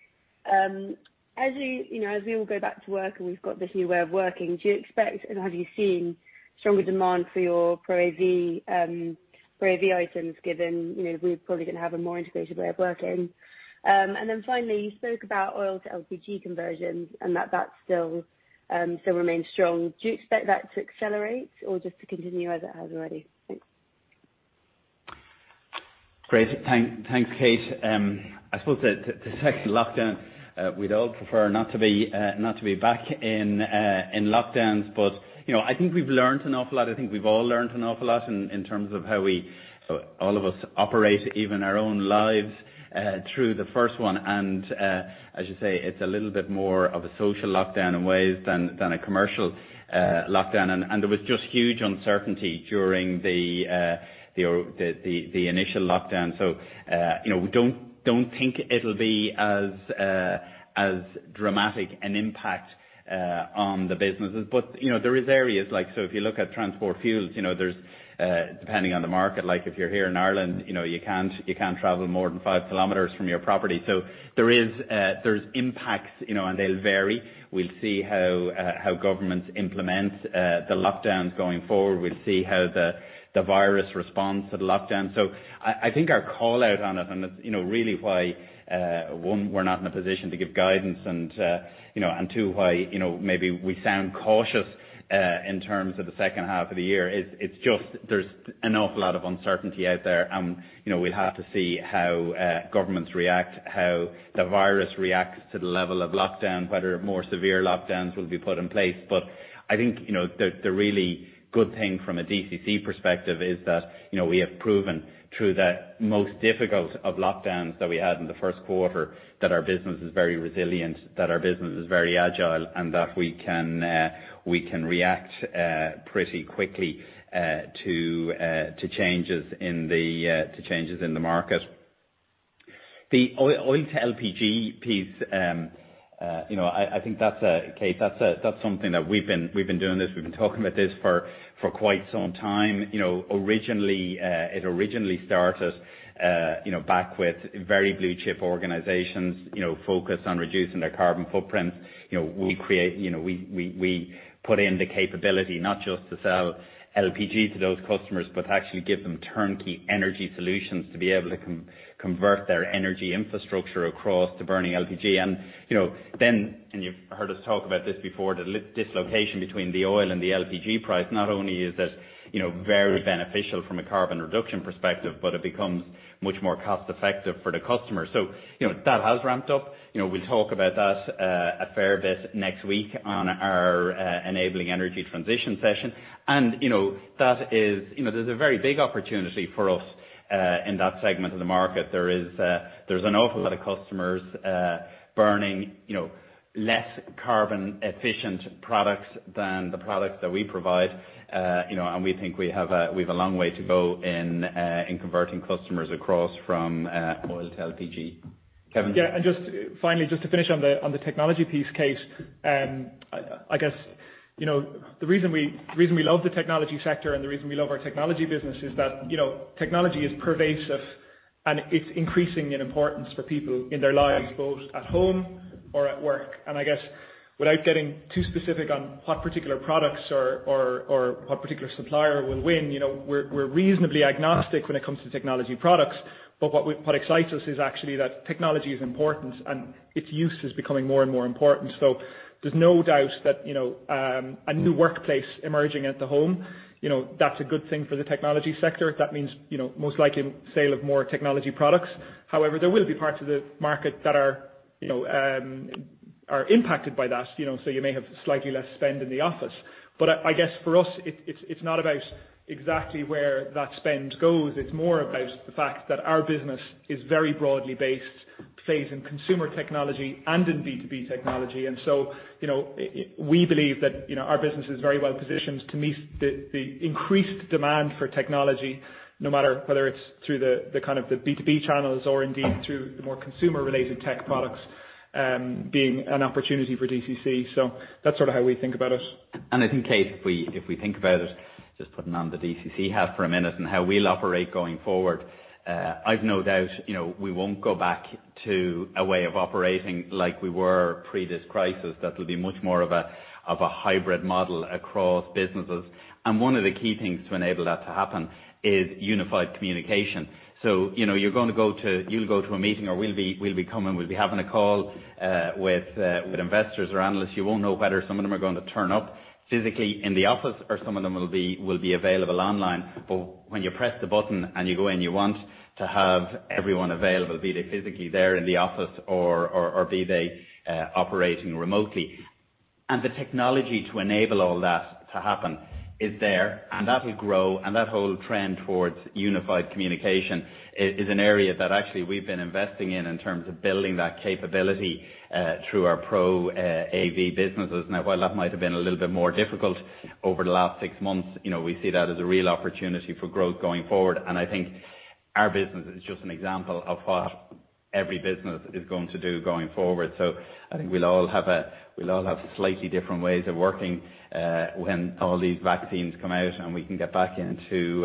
as we all go back to work and we've got this new way of working, do you expect, and have you seen stronger demand for your ProAV items, given we're probably going to have a more integrated way of working? Finally, you spoke about oil to LPG conversions and that still remains strong. Do you expect that to accelerate or just to continue as it has already? Thanks. Great. Thanks, Kate. I suppose the second lockdown, we'd all prefer not to be back in lockdowns. I think we've learned an awful lot. I think we've all learned an awful lot in terms of how all of us operate, even our own lives through the first one. As you say, it's a little bit more of a social lockdown in ways than a commercial lockdown. There was just huge uncertainty during the initial lockdown. We don't think it'll be as dramatic an impact on the businesses. There is areas, like so if you look at transport fuels there's depending on the market, like if you're here in Ireland, you can't travel more than 5 km from your property. There's impacts, and they'll vary. We'll see how governments implement the lockdowns going forward. We'll see how the virus responds to the lockdown. I think our call-out on it, and it's really why, one, we're not in a position to give guidance and, two, why maybe we sound cautious, in terms of the second half of the year, it's just there's an awful lot of uncertainty out there. We'll have to see how governments react, how the virus reacts to the level of lockdown, whether more severe lockdowns will be put in place. I think the really good thing from a DCC perspective is that we have proven through that most difficult of lockdowns that we had in the first quarter, that our business is very resilient, that our business is very agile, and that we can react pretty quickly to changes in the market. The oil to LPG piece, Kate, that's something that we've been doing this, we've been talking about this for quite some time. It originally started back with very blue chip organizations focused on reducing their carbon footprint. We put in the capability not just to sell LPG to those customers, but actually give them turnkey energy solutions to be able to convert their energy infrastructure across to burning LPG. You've heard us talk about this before, the dislocation between the oil and the LPG price, not only is it very beneficial from a carbon reduction perspective, but it becomes much more cost-effective for the customer. That has ramped up. We'll talk about that a fair bit next week on our Enabling Energy Transition session. There's a very big opportunity for us in that segment of the market. There's an awful lot of customers burning less carbon efficient products than the products that we provide. We think we've a long way to go in converting customers across from oil to LPG. Kevin? Yeah. Just finally, just to finish on the technology piece, Kate. I guess the reason we love the technology sector and the reason we love our technology business is that technology is pervasive and it's increasing in importance for people in their lives, both at home or at work. I guess without getting too specific on what particular products or what particular supplier will win, we're reasonably agnostic when it comes to technology products. What excites us is actually that technology is important and its use is becoming more and more important. There's no doubt that a new workplace emerging at the home, that's a good thing for the technology sector. That means most likely sale of more technology products. However, there will be parts of the market that are impacted by that, so you may have slightly less spend in the office. I guess for us, it's not about exactly where that spend goes. It's more about the fact that our business is very broadly based, plays in consumer technology and in B2B technology. We believe that our business is very well positioned to meet the increased demand for technology, no matter whether it's through the B2B channels or indeed through the more consumer-related tech products, being an opportunity for DCC. That's sort of how we think about it. I think, Kate, if we think about it, just putting on the DCC hat for a minute and how we'll operate going forward, I've no doubt we won't go back to a way of operating like we were pre this crisis. That will be much more of a hybrid model across businesses. One of the key things to enable that to happen is unified communication. You'll go to a meeting or we'll be having a call with investors or analysts. You won't know whether some of them are going to turn up physically in the office or some of them will be available online. When you press the button and you go in, you want to have everyone available, be they physically there in the office or be they operating remotely. The technology to enable all that to happen is there, and that will grow. That whole trend towards unified communication is an area that actually we've been investing in terms of building that capability through our ProAV businesses. Now, while that might have been a little bit more difficult over the last six months, we see that as a real opportunity for growth going forward. I think our business is just an example of what every business is going to do going forward. I think we'll all have slightly different ways of working when all these vaccines come out, and we can get back into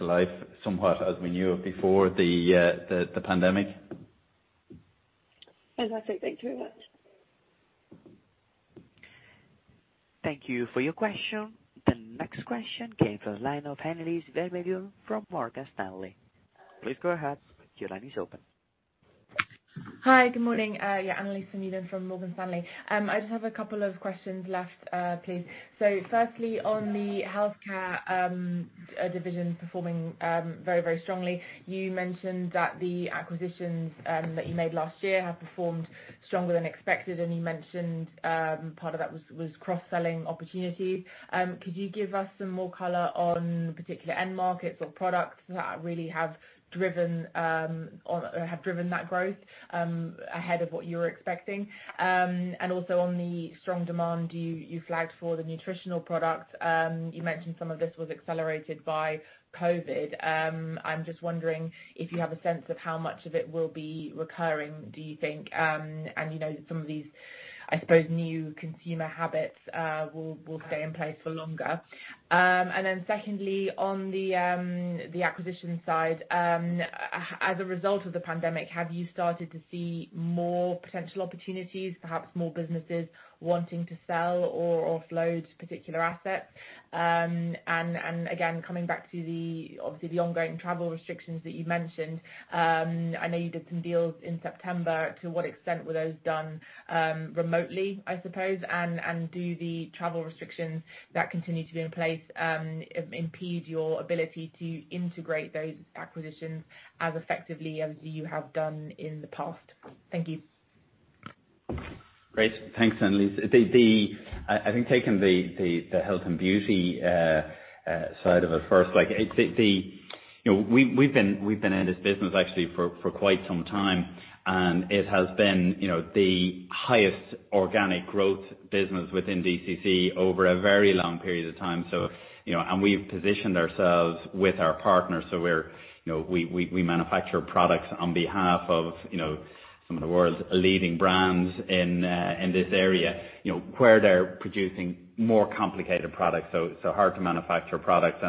life somewhat as we knew it before the pandemic. Fantastic. Thanks very much. Thank you for your question. The next question came from the line of Annelies Vermeulen from Morgan Stanley. Please go ahead. Your line is open. Hi. Good morning. Anneliese Vermeulen from Morgan Stanley. I just have a couple of questions left, please. Firstly, on the healthcare division performing very strongly, you mentioned that the acquisitions that you made last year have performed stronger than expected, and you mentioned part of that was cross-selling opportunities. Could you give us some more color on particular end markets or products that really have driven that growth ahead of what you were expecting? Also on the strong demand you flagged for the nutritional products, you mentioned some of this was accelerated by COVID. I'm just wondering if you have a sense of how much of it will be recurring, do you think? Some of these, I suppose, new consumer habits will stay in place for longer. Secondly, on the acquisition side, as a result of the pandemic, have you started to see more potential opportunities, perhaps more businesses wanting to sell or offload particular assets? Again, coming back to obviously the ongoing travel restrictions that you mentioned, I know you did some deals in September, to what extent were those done remotely, I suppose? Do the travel restrictions that continue to be in place impede your ability to integrate those acquisitions as effectively as you have done in the past? Thank you. Great. Thanks, Anneliese. I think taking the health and beauty side of it first, we've been in this business actually for quite some time, and it has been the highest organic growth business within DCC over a very long period of time. We've positioned ourselves with our partners. We manufacture products on behalf of some of the world's leading brands in this area, where they're producing more complicated products, so hard to manufacture products.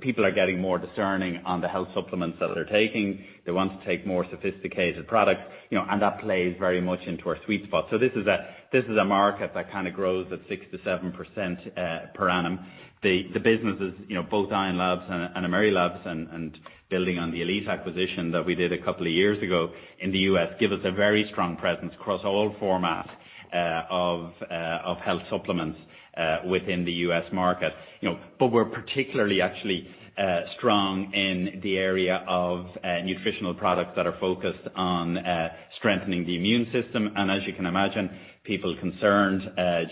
People are getting more discerning on the health supplements that they're taking. They want to take more sophisticated products, and that plays very much into our sweet spot. This is a market that kind of grows at 6%-7% per annum. The businesses, both Ion Labs and Amerilab Technologies and building on the Elite acquisition that we did a couple of years ago in the U.S., give us a very strong presence across all formats of health supplements within the U.S. market. We're particularly actually strong in the area of nutritional products that are focused on strengthening the immune system. As you can imagine, people's concerns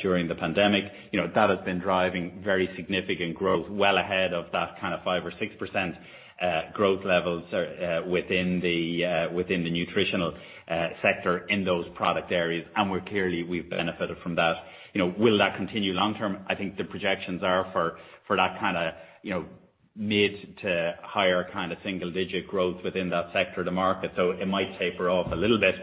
during the pandemic, that has been driving very significant growth well ahead of that kind of 5% or 6% growth levels within the nutritional sector in those product areas. We're clearly, we've benefited from that. Will that continue long term? I think the projections are for that kind of mid to higher kind of single-digit growth within that sector of the market. It might taper off a little bit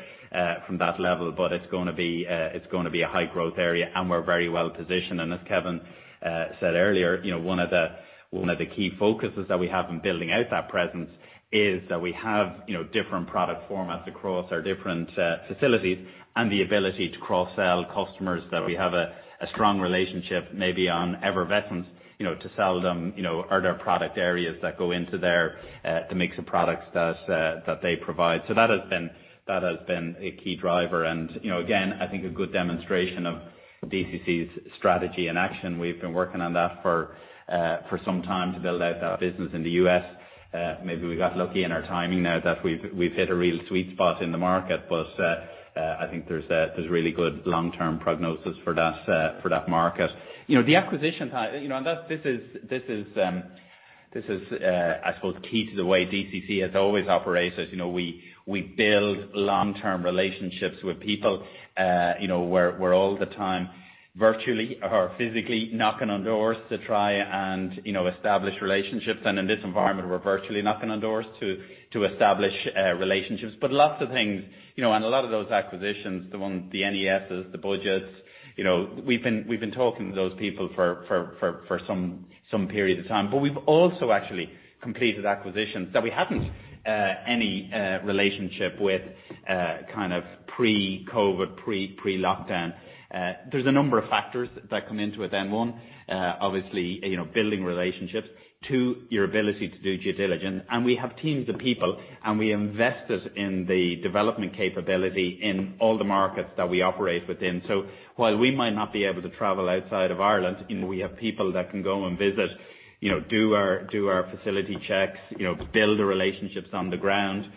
from that level, but it's going to be a high growth area and we're very well positioned. As Kevin said earlier, one of the key focuses that we have in building out that presence is that we have different product formats across our different facilities and the ability to cross-sell customers that we have a strong relationship, maybe on effervescent, to sell them other product areas that go into their mix of products that they provide. That has been a key driver. Again, I think a good demonstration of DCC's strategy in action. We've been working on that for some time to build out that business in the U.S. Maybe we got lucky in our timing there that we've hit a real sweet spot in the market, but I think there's really good long-term prognosis for that market. The acquisition side, this is, I suppose key to the way DCC has always operated. We build long-term relationships with people, we're all the time virtually or physically knocking on doors to try and establish relationships. In this environment, we're virtually knocking on doors to establish relationships. Lots of things, a lot of those acquisitions, the NESs, the Budgets, we've been talking to those people for some period of time. We've also actually completed acquisitions that we haven't any relationship with pre-COVID-19, pre-lockdown. There's a number of factors that come into it. One, obviously, building relationships. Two, your ability to do due diligence. We have teams of people, we invested in the development capability in all the markets that we operate within. While we might not be able to travel outside of Ireland, we have people that can go and visit, do our facility checks, build the relationships on the ground,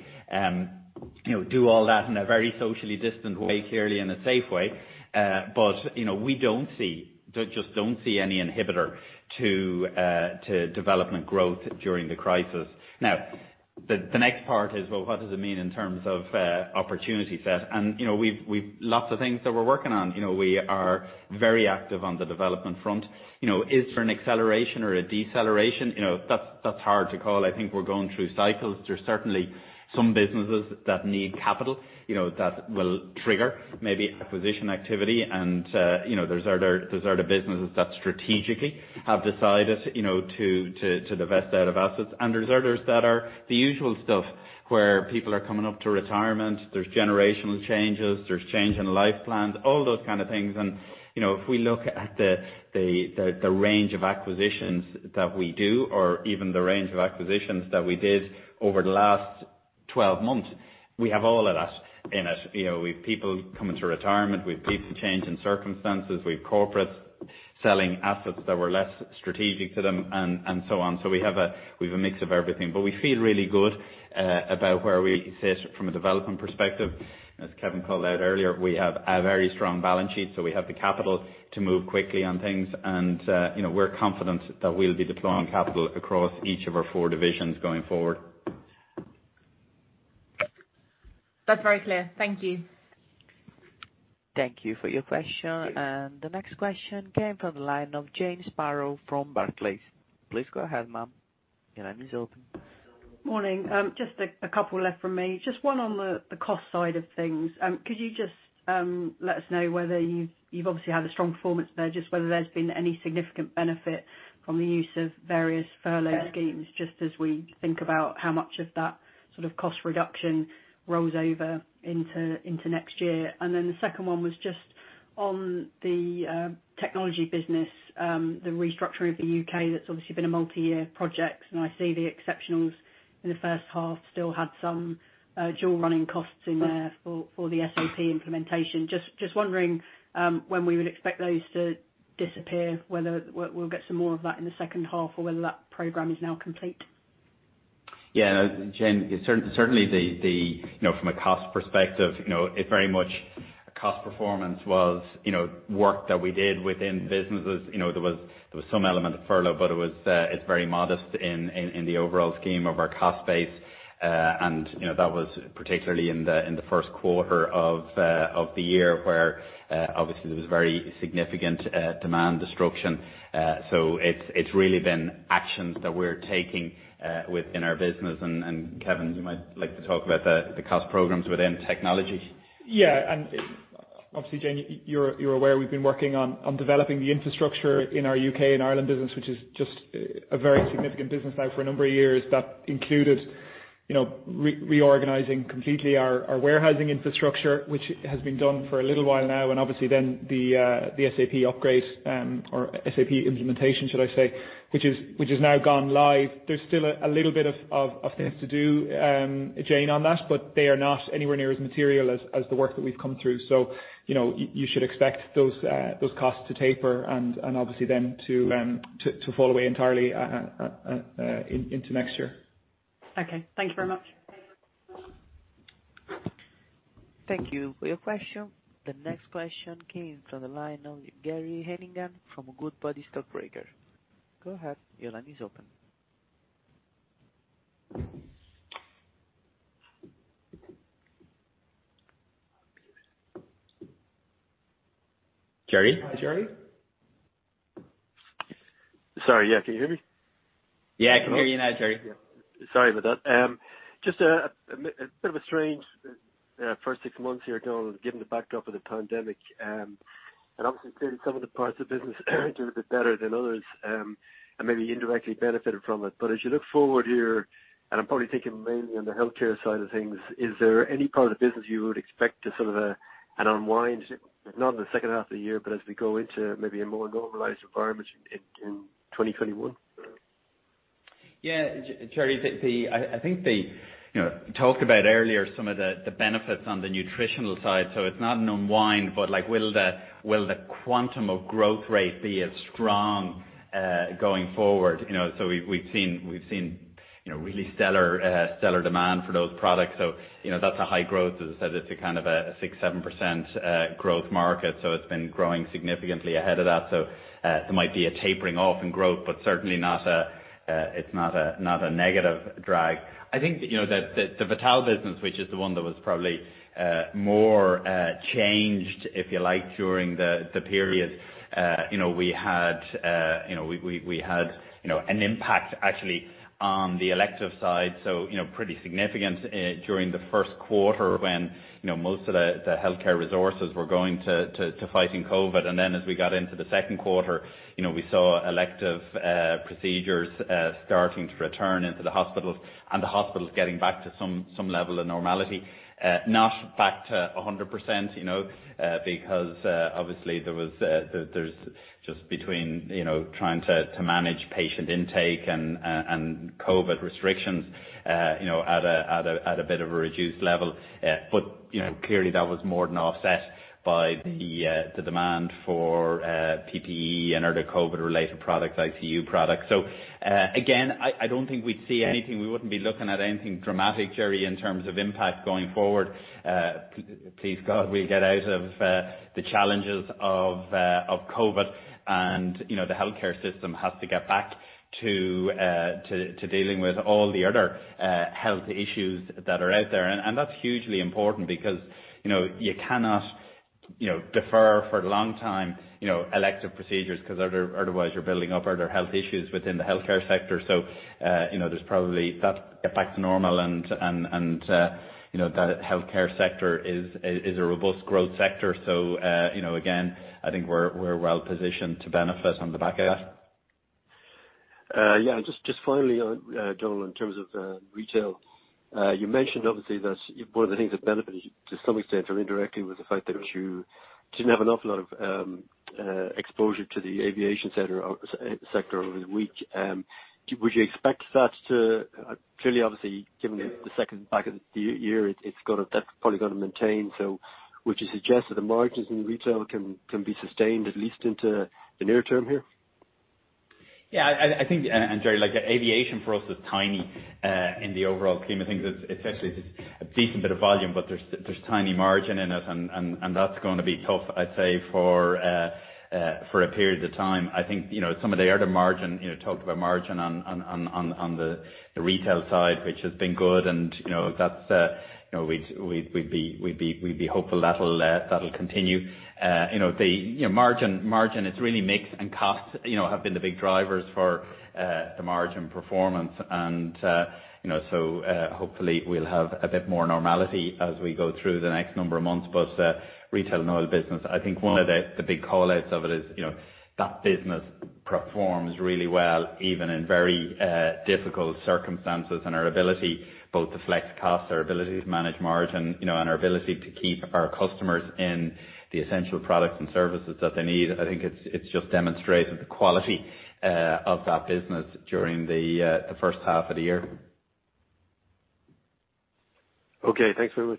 do all that in a very socially distant way, clearly in a safe way. We just don't see any inhibitor to development growth during the crisis. The next part is, well, what does it mean in terms of opportunity set? Lots of things that we're working on. We are very active on the development front. Is there an acceleration or a deceleration? That's hard to call. I think we're going through cycles. There's certainly some businesses that need capital, that will trigger maybe acquisition activity. Those are the businesses that strategically have decided to divest out of assets. There's others that are the usual stuff where people are coming up to retirement, there's generational changes, there's change in life plans, all those kind of things. If we look at the range of acquisitions that we do, or even the range of acquisitions that we did over the last 12 months, we have all of that in it. We've people coming to retirement, we've people change in circumstances, we've corporates selling assets that were less strategic to them, and so on. We have a mix of everything. We feel really good about where we sit from a development perspective. As Kevin called out earlier, we have a very strong balance sheet, so we have the capital to move quickly on things. We're confident that we'll be deploying capital across each of our four divisions going forward. That's very clear. Thank you. Thank you for your question. Thanks. The next question came from the line of Jane Sparrow from Barclays. Please go ahead, ma'am. Your line is open. Morning. Just a couple left from me. Just one on the cost side of things. Could you just let us know whether You've obviously had a strong performance there, just whether there's been any significant benefit from the use of various furlough schemes, just as we think about how much of that sort of cost reduction rolls over into next year. The second one was just on the technology business, the restructuring of the U.K., that's obviously been a multi-year project, and I see the exceptionals in the first half still had some dual running costs in there for the SAP implementation. Just wondering when we would expect those to disappear, whether we'll get some more of that in the second half, or whether that program is now complete. Yeah. Jane, certainly from a cost perspective, it very much cost performance was work that we did within businesses. There was some element of furlough, but it's very modest in the overall scheme of our cost base. That was particularly in the first quarter of the year, where obviously there was very significant demand destruction. It's really been actions that we're taking within our business. Kevin, you might like to talk about the cost programs within Technology. Yeah. Obviously, Jane, you're aware we've been working on developing the infrastructure in our U.K. and Ireland business, which is just a very significant business now for a number of years. That included reorganizing completely our warehousing infrastructure, which has been done for a little while now. And obviously then the SAP upgrade, or SAP implementation, should I say, which has now gone live. There's still a little bit of things to do, Jane, on that, but they are not anywhere near as material as the work that we've come through. You should expect those costs to taper and obviously then to fall away entirely into next year. Okay. Thank you very much. Thank you for your question. The next question came from the line of Gerry Hannigan from Goodbody Stockbrokers. Go ahead, your line is open. Gerry. Hi, Gerry. Sorry, yeah. Can you hear me? Yeah, I can hear you now, Gerry. Yeah. Sorry about that. Just a bit of a strange first six months here, Donal, given the backdrop of the pandemic. Obviously, clearly some of the parts of the business do a bit better than others, and maybe indirectly benefited from it. As you look forward here, and I'm probably thinking mainly on the healthcare side of things, is there any part of the business you would expect to sort of unwind, not in the second half of the year, but as we go into maybe a more normalized environment in 2021? Gerry, I think we talked about earlier some of the benefits on the nutritional side, so it's not an unwind, but will the quantum of growth rate be as strong going forward? We've seen really stellar demand for those products. That's a high growth. As I said, it's a kind of a 6%-7% growth market, so it's been growing significantly ahead of that. There might be a tapering off in growth, but certainly it's not a negative drag. I think the Vital business, which is the one that was probably more changed, if you like, during the period. We had an impact actually on the elective side, so pretty significant during the first quarter when most of the healthcare resources were going to fighting COVID-19. As we got into the second quarter, we saw elective procedures starting to return into the hospitals and the hospitals getting back to some level of normality. Not back to 100%, because obviously there's just between trying to manage patient intake and COVID restrictions at a bit of a reduced level. Clearly that was more than offset by the demand for PPE and other COVID-related products, ICU products. Again, I don't think we'd see anything. We wouldn't be looking at anything dramatic, Gerry, in terms of impact going forward. Please, God, we'll get out of the challenges of COVID and the healthcare system has to get back to dealing with all the other health issues that are out there. That's hugely important because you cannot defer for a long time elective procedures, because otherwise you're building up other health issues within the healthcare sector. There's probably that get back to normal and that healthcare sector is a robust growth sector. Again, I think we're well positioned to benefit on the back of that. Yeah. Just finally, Donal, in terms of retail, you mentioned obviously that one of the things that benefited to some extent, or indirectly, was the fact that you didn't have an awful lot of exposure to the aviation sector over the week. Clearly, obviously given the second half of the year, that's probably going to maintain. Would you suggest that the margins in retail can be sustained at least into the near term here? Yeah. I think, Gerry, like aviation for us is tiny in the overall scheme of things. It's actually a decent bit of volume, there's tiny margin in it that's going to be tough, I'd say, for a period of time. I think some of the other margin, talk about margin on the retail side, which has been good we'd be hopeful that'll continue. Margin is really mix and costs have been the big drivers for the margin performance hopefully we'll have a bit more normality as we go through the next number of months. Retail & Oil business, I think one of the big call-outs of it is that business performs really well, even in very difficult circumstances. Our ability both to flex costs, our ability to manage margin, and our ability to keep our customers in the essential products and services that they need, I think it's just demonstrated the quality of that business during the first half of the year. Okay. Thanks very much.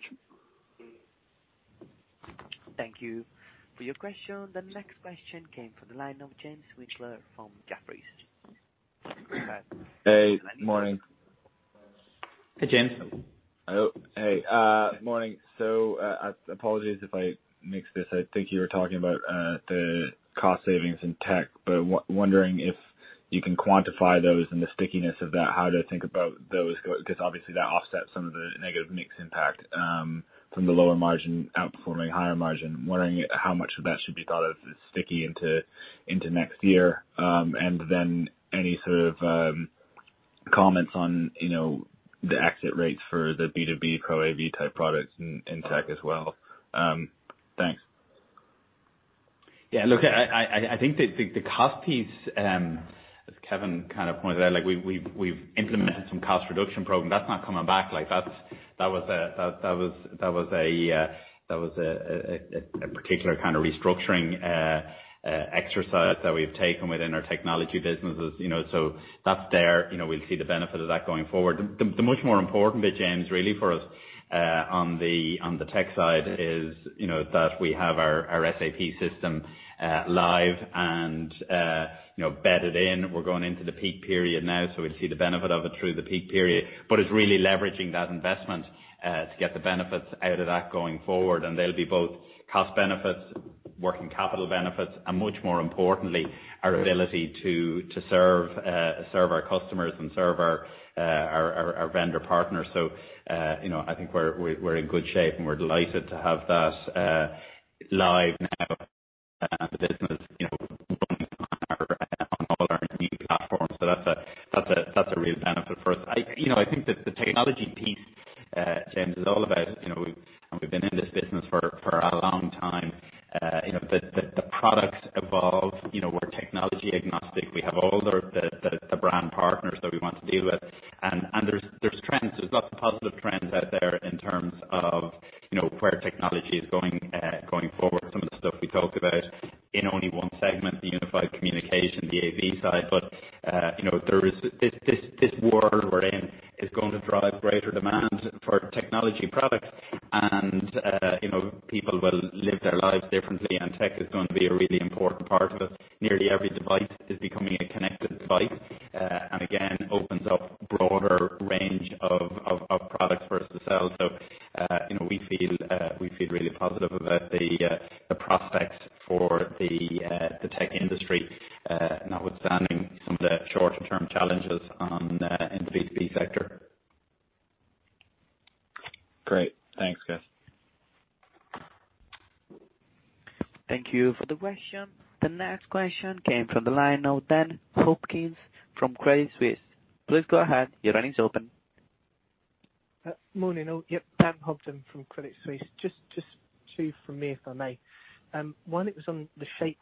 Thank you for your question. The next question came from the line of James Wichler from Jefferies. Go ahead. Hey, morning. Hey, James. Oh, hey. Morning. Apologies if I mix this. I think you were talking about the cost savings in Tech, wondering if you can quantify those and the stickiness of that. How do I think about those? Obviously that offsets some of the negative mix impact from the lower margin outperforming higher margin. Wondering how much of that should be thought of as sticky into next year. Any sort of comments on the exit rates for the B2B Pro AV type products in Tech as well. Thanks. I think the cost piece, as Kevin kind of pointed out, we've implemented some cost reduction program. That's not coming back. That was a particular kind of restructuring exercise that we've taken within our technology businesses. That's there. We'll see the benefit of that going forward. The much more important bit, James, really for us on the tech side is that we have our SAP system live and bedded in. We're going into the peak period now, so we'll see the benefit of it through the peak period. It's really leveraging that investment to get the benefits out of that going forward. They'll be both cost benefits, working capital benefits, and much more importantly, our ability to serve our customers and serve our vendor partners. I think we're in good shape and we're delighted to have that live now and our new platform. That's a real benefit for us. I think that the technology piece, James, is all about, and we've been in this business for a long time. The product evolved. We're technology agnostic. We have all the brand partners that we want to deal with. There's trends, there's lots of positive trends out there in terms of where technology is going forward. Some of the stuff we talk about in only one segment, the unified communication, the AV side. This world we're in is going to drive greater demand for technology products, and people will live their lives differently, and tech is going to be a really important part of it. Nearly every device is becoming a connected device. Again, opens up broader range of products for us to sell. We feel really positive about the prospects for the tech industry, notwithstanding some of the shorter-term challenges in the B2B sector. Great. Thanks, guys. Thank you for the question. The next question came from the line of Dan Hopton from Credit Suisse. Please go ahead. Your line is open. Morning all. Dan Hopton from Credit Suisse. Just two from me, if I may. One it was on the shape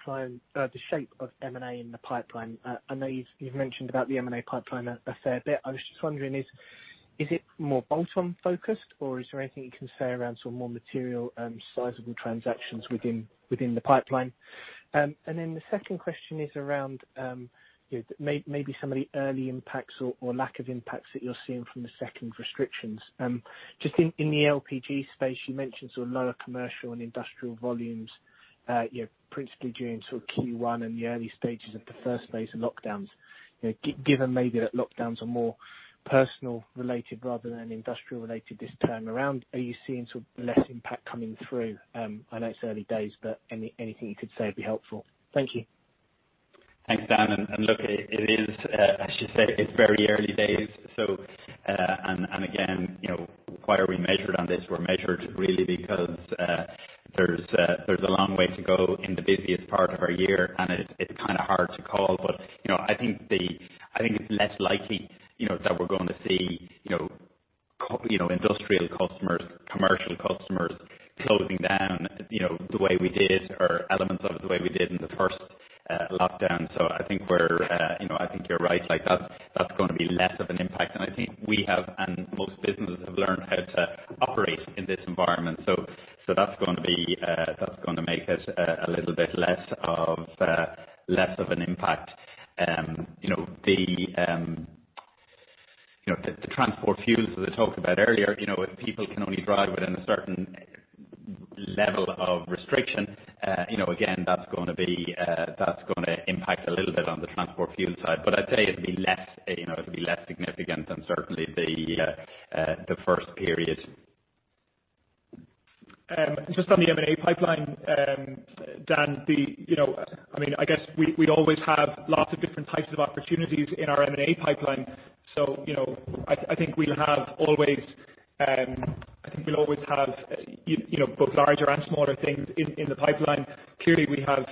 of M&A in the pipeline. I know you've mentioned about the M&A pipeline a fair bit. I was just wondering, is it more bolt-on focused or is there anything you can say around sort of more material, sizable transactions within the pipeline? The second question is around maybe some of the early impacts or lack of impacts that you're seeing from the second restrictions. Just in the LPG space, you mentioned sort of lower commercial and industrial volumes, principally during sort of Q1 and the early stages of the first phase of lockdowns. Given maybe that lockdowns are more personal related rather than industrial related this time around, are you seeing sort of less impact coming through? I know it's early days, but anything you could say would be helpful. Thank you. Thanks, Dan. Look, as you said, it's very early days. Again, why are we measured on this? We're measured really because there's a long way to go in the busiest part of our year, and it's kind of hard to call. I think it's less likely that we're going to see industrial customers, commercial customers closing down the way we did or elements of the way we did in the first lockdown. I think you're right. That's going to be less of an impact. I think we have, and most businesses have learned how to operate in this environment. That's going to make it a little bit less of an impact. The transport fuels that I talked about earlier, if people can only drive within a certain level of restriction, again, that's going to impact a little bit on the transport fuel side. I'd say it'll be less significant than certainly the first period. Just on the M&A pipeline, Dan. I guess we always have lots of different types of opportunities in our M&A pipeline. I think we'll always have both larger and smaller things in the pipeline. Clearly, we have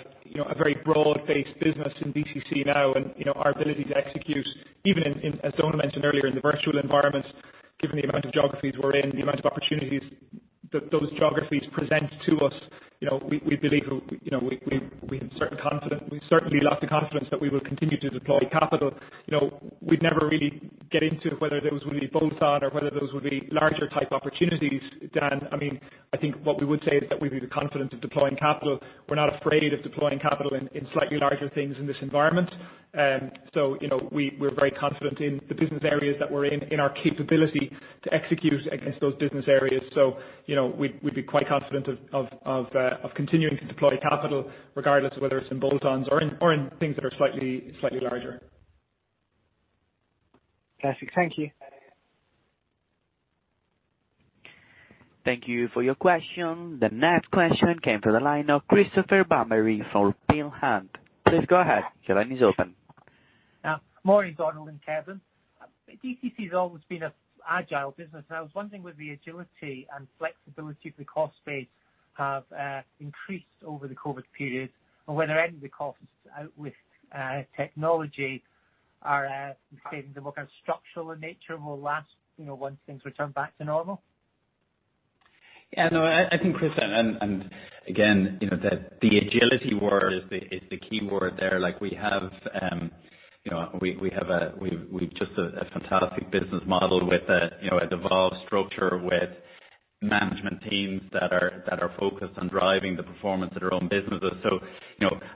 a very broad-based business in DCC now, and our ability to execute, even in, as Donal mentioned earlier, in the virtual environment, given the amount of geographies we're in, the amount of opportunities that those geographies present to us. We have certain confidence. We certainly lack the confidence that we will continue to deploy capital. We'd never really get into whether those would be bolt-on or whether those would be larger type opportunities, Dan. I think what we would say is that we'd be the confident of deploying capital. We're not afraid of deploying capital in slightly larger things in this environment. We're very confident in the business areas that we're in our capability to execute against those business areas. We'd be quite confident of continuing to deploy capital regardless of whether it's in bolt-ons or in things that are slightly larger. Classic. Thank you. Thank you for your question. The next question came from the line of Christopher Bamberry from Peel Hunt. Please go ahead. Your line is open. Morning, Donal and Kevin. DCC has always been an agile business. I was wondering whether the agility and flexibility of the cost base have increased over the COVID period or whether any of the costs outwith technology are stating they're more kind of structural in nature and will last once things return back to normal? Yeah, no, I think Chris, again, the agility word is the key word there. We've just a fantastic business model with a devolved structure, with management teams that are focused on driving the performance of their own businesses.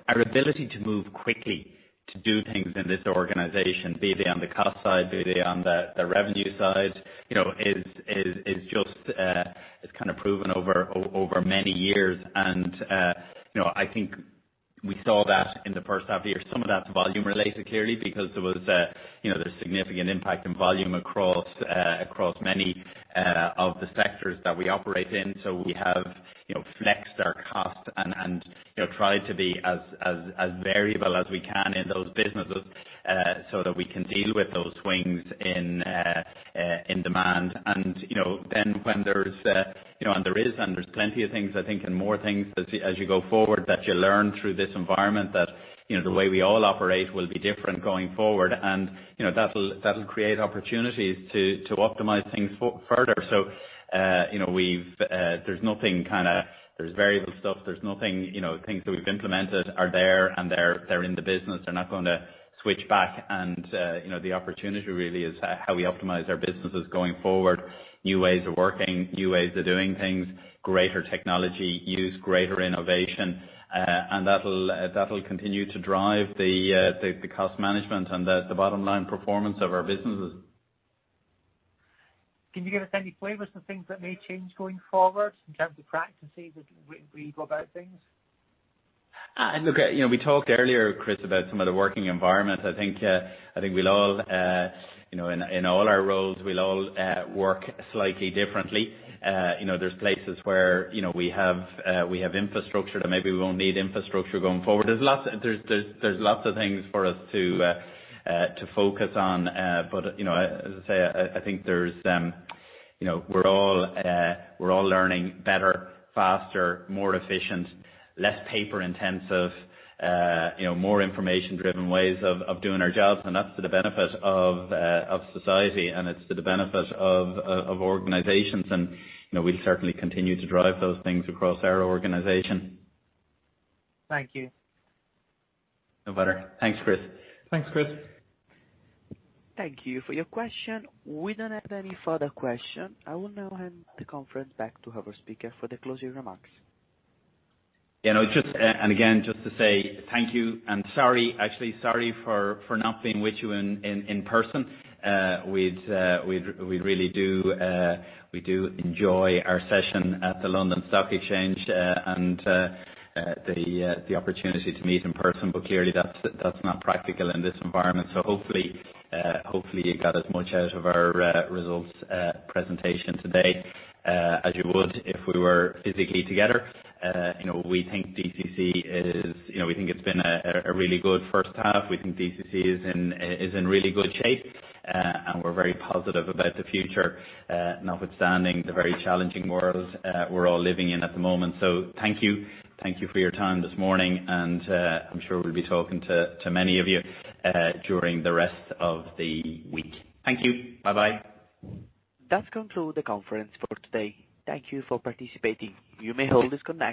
Our ability to move quickly to do things in this organization, be they on the cost side, be they on the revenue side, it's kind of proven over many years. I think we saw that in the first half of the year. Some of that's volume related, clearly, because there's significant impact in volume across many of the sectors that we operate in. We have flexed our costs and tried to be as variable as we can in those businesses so that we can deal with those swings in demand. There's plenty of things, I think, and more things as you go forward that you learn through this environment that the way we all operate will be different going forward. That'll create opportunities to optimize things further. There's variable stuff. Things that we've implemented are there, and they're in the business. They're not going to switch back, and the opportunity really is how we optimize our businesses going forward. New ways of working, new ways of doing things, greater technology use, greater innovation. That'll continue to drive the cost management and the bottom line performance of our businesses. Can you give us any flavors of things that may change going forward in terms of practices with regard to things? Look, we talked earlier, Chris, about some of the working environment. I think in all our roles, we'll all work slightly differently. There's places where we have infrastructure that maybe we won't need infrastructure going forward. There's lots of things for us to focus on. As I say, I think we're all learning better, faster, more efficient, less paper intensive, more information driven ways of doing our jobs, and that's to the benefit of society, and it's to the benefit of organizations. We'll certainly continue to drive those things across our organization. Thank you. No better. Thanks, Chris. Thanks, Chris. Thank you for your question. We don't have any further question. I will now hand the conference back to our speaker for the closing remarks. Again, just to say thank you and sorry, actually, sorry for not being with you in person. We do enjoy our session at the London Stock Exchange, and the opportunity to meet in person. Clearly that's not practical in this environment. Hopefully you got as much out of our results presentation today as you would if we were physically together. We think DCC has been a really good first half. We think DCC is in really good shape. We're very positive about the future, notwithstanding the very challenging world we're all living in at the moment. Thank you. Thank you for your time this morning, and I'm sure we'll be talking to many of you during the rest of the week. Thank you. Bye-bye. That concludes the conference for today. Thank you for participating.